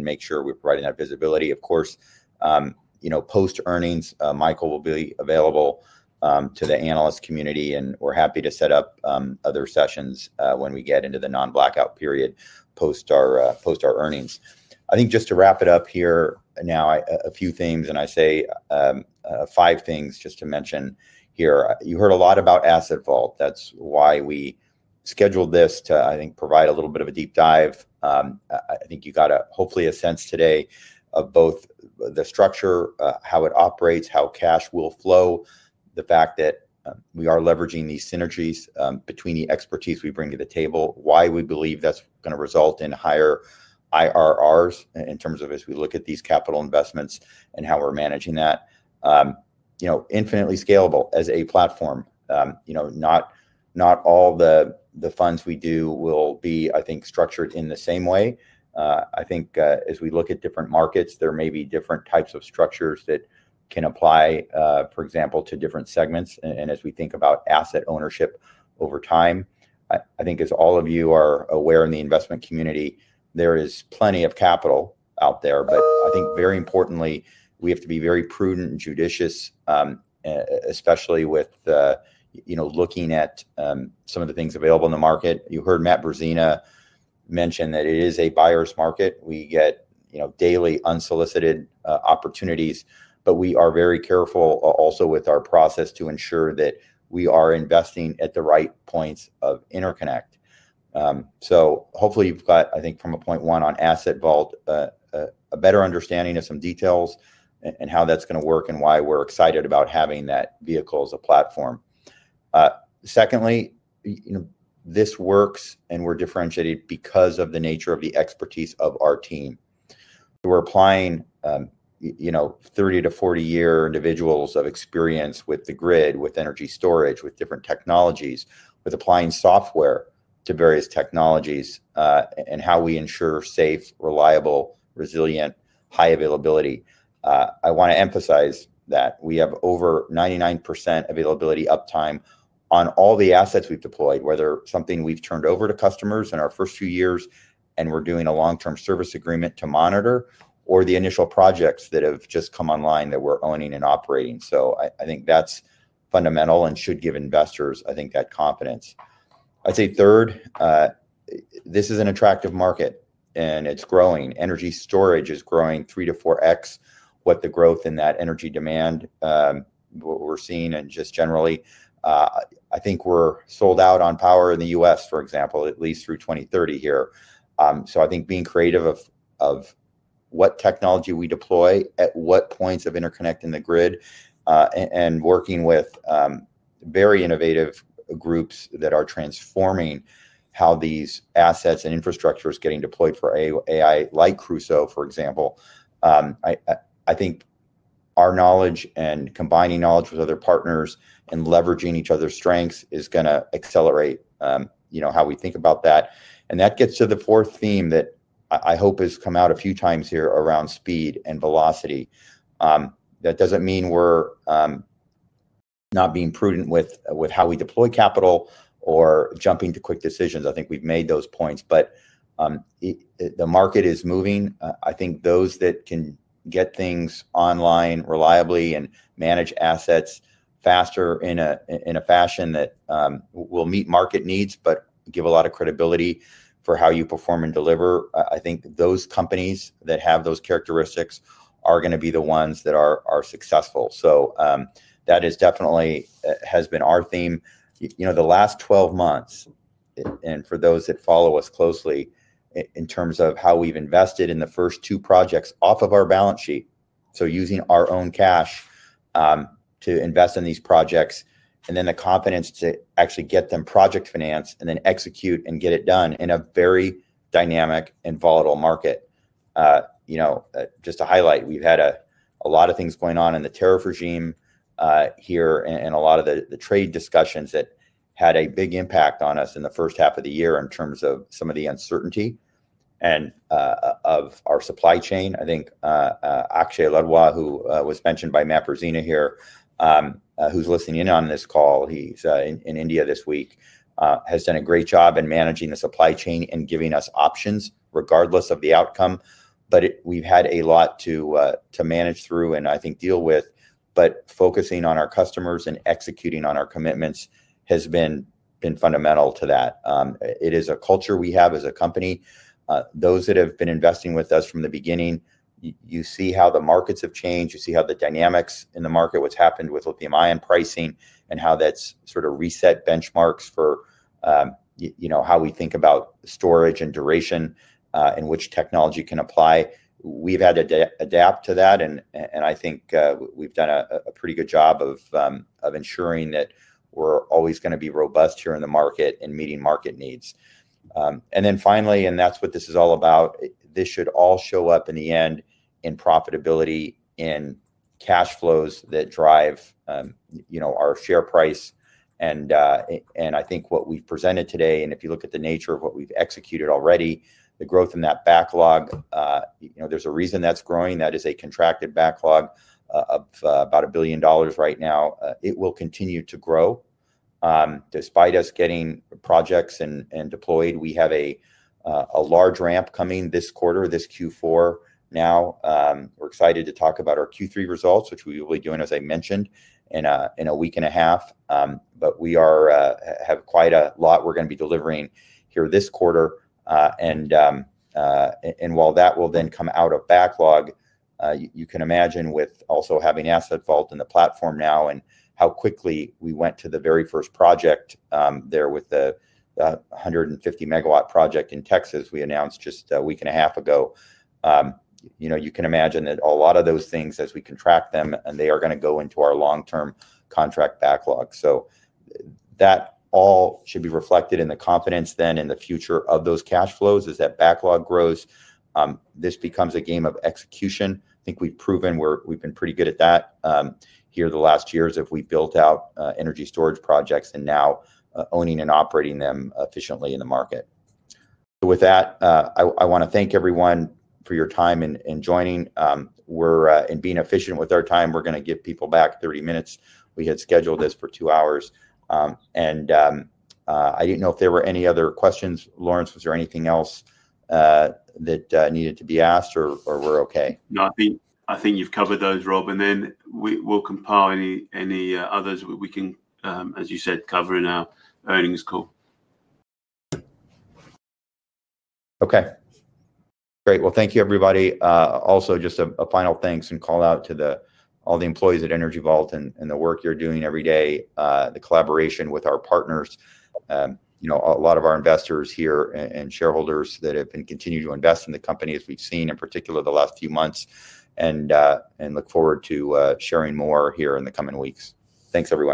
Speaker 2: make sure we're providing that visibility. Of course, post-earnings, Michael will be available to the analyst community. We're happy to set up other sessions when we get into the non-blackout period post our earnings. Just to wrap it up here now, a few things, and I say five things just to mention here. You heard a lot about Asset Vault. That's why we scheduled this to, I think, provide a little bit of a deep dive. I think you got hopefully a sense today of both the structure, how it operates, how cash will flow, the fact that we are leveraging these synergies between the expertise we bring to the table, why we believe that's going to result in higher IRRs in terms of as we look at these capital investments and how we're managing that. Infinitely scalable as a platform. Not all the funds we do will be, I think, structured in the same way. As we look at different markets, there may be different types of structures that can apply, for example, to different segments. As we think about asset ownership over time, I think as all of you are aware in the investment community, there is plenty of capital out there. Very importantly, we have to be very prudent and judicious, especially with looking at some of the things available in the market. You heard Matt Brezina mention that it is a buyer's market. We get daily unsolicited opportunities. We are very careful also with our process to ensure that we are investing at the right points of interconnect. Hopefully, you've got, I think, from a point one on Asset Vault, a better understanding of some details and how that's going to work and why we're excited about having that vehicle as a platform. Secondly, this works and we're differentiated because of the nature of the expertise of our team. We're applying 30 to 40-year individuals of experience with the grid, with energy storage, with different technologies, with applying software to various technologies and how we ensure safe, reliable, resilient, high availability. I want to emphasize that we have over 99% availability uptime on all the assets we've deployed, whether something we've turned over to customers in our first few years and we're doing a long-term service agreement to monitor, or the initial projects that have just come online that we're owning and operating. I think that's fundamental and should give investors, I think, that confidence. I'd say third, this is an attractive market. It's growing. Energy storage is growing 3x to 4x what the growth in that energy demand we're seeing and just generally. I think we're sold out on power in the U.S., for example, at least through 2030 here. I think being creative of what technology we deploy, at what points of interconnect in the grid, and working with very innovative groups that are transforming how these assets and infrastructure is getting deployed for AI, like Crusoe, for example. I think our knowledge and combining knowledge with other partners and leveraging each other's strengths is going to accelerate how we think about that. That gets to the fourth theme that I hope has come out a few times here around speed and velocity. That doesn't mean we're not being prudent with how we deploy capital or jumping to quick decisions. I think we've made those points. The market is moving. I think those that can get things online reliably and manage assets faster in a fashion that will meet market needs but give a lot of credibility for how you perform and deliver, I think those companies that have those characteristics are going to be the ones that are successful. That definitely has been our theme. The last 12 months, and for those that follow us closely, in terms of how we've invested in the first two projects off of our balance sheet, using our own cash to invest in these projects, and then the confidence to actually get them project financed and then execute and get it done in a very dynamic and volatile market. Just to highlight, we've had a lot of things going on in the tariff regime here and a lot of the trade discussions that had a big impact on us in the first half of the year in terms of some of the uncertainty of our supply chain. I think Akshay Ladwa, who was mentioned by Matt Brezina here, who's listening in on this call, he's in India this week, has done a great job in managing the supply chain and giving us options regardless of the outcome. We've had a lot to manage through and, I think, deal with. Focusing on our customers and executing on our commitments has been fundamental to that. It is a culture we have as a company. Those that have been investing with us from the beginning, you see how the markets have changed. You see how the dynamics in the market, what's happened with lithium-ion pricing and how that's sort of reset benchmarks for how we think about storage and duration and which technology can apply. We've had to adapt to that. I think we've done a pretty good job of ensuring that we're always going to be robust here in the market and meeting market needs. Finally, that's what this is all about, this should all show up in the end in profitability and cash flows that drive our share price. I think what we've presented today, and if you look at the nature of what we've executed already, the growth in that backlog, there's a reason that's growing. That is a contracted backlog of about $1 billion right now. It will continue to grow despite us getting projects and deployed. We have a large ramp coming this quarter, this Q4 now. We're excited to talk about our Q3 results, which we will be doing, as I mentioned, in a week and a half. We have quite a lot we're going to be delivering here this quarter. While that will then come out of backlog, you can imagine with also having Asset Vault in the platform now and how quickly we went to the very first project there with the 150 MW project in Texas we announced just a week and a half ago. You can imagine that a lot of those things, as we contract them, they are going to go into our long-term contract backlog. That all should be reflected in the confidence then in the future of those cash flows as that backlog grows. This becomes a game of execution. I think we've proven we've been pretty good at that here the last years as we've built out energy storage projects and now owning and operating them efficiently in the market. With that, I want to thank everyone for your time in joining. Being efficient with our time, we're going to give people back 30 minutes. We had scheduled this for two hours. I didn't know if there were any other questions. Laurence, was there anything else that needed to be asked? We're OK?
Speaker 1: No, I think you've covered those, Rob. We'll compile any others we can, as you said, cover in our earnings call.
Speaker 2: OK, great. Thank you, everybody. Also, just a final thanks and call out to all the employees at Energy Vault and the work you're doing every day, the collaboration with our partners, a lot of our investors here and shareholders that have been continuing to invest in the company as we've seen in particular the last few months. I look forward to sharing more here in the coming weeks. Thanks, everyone.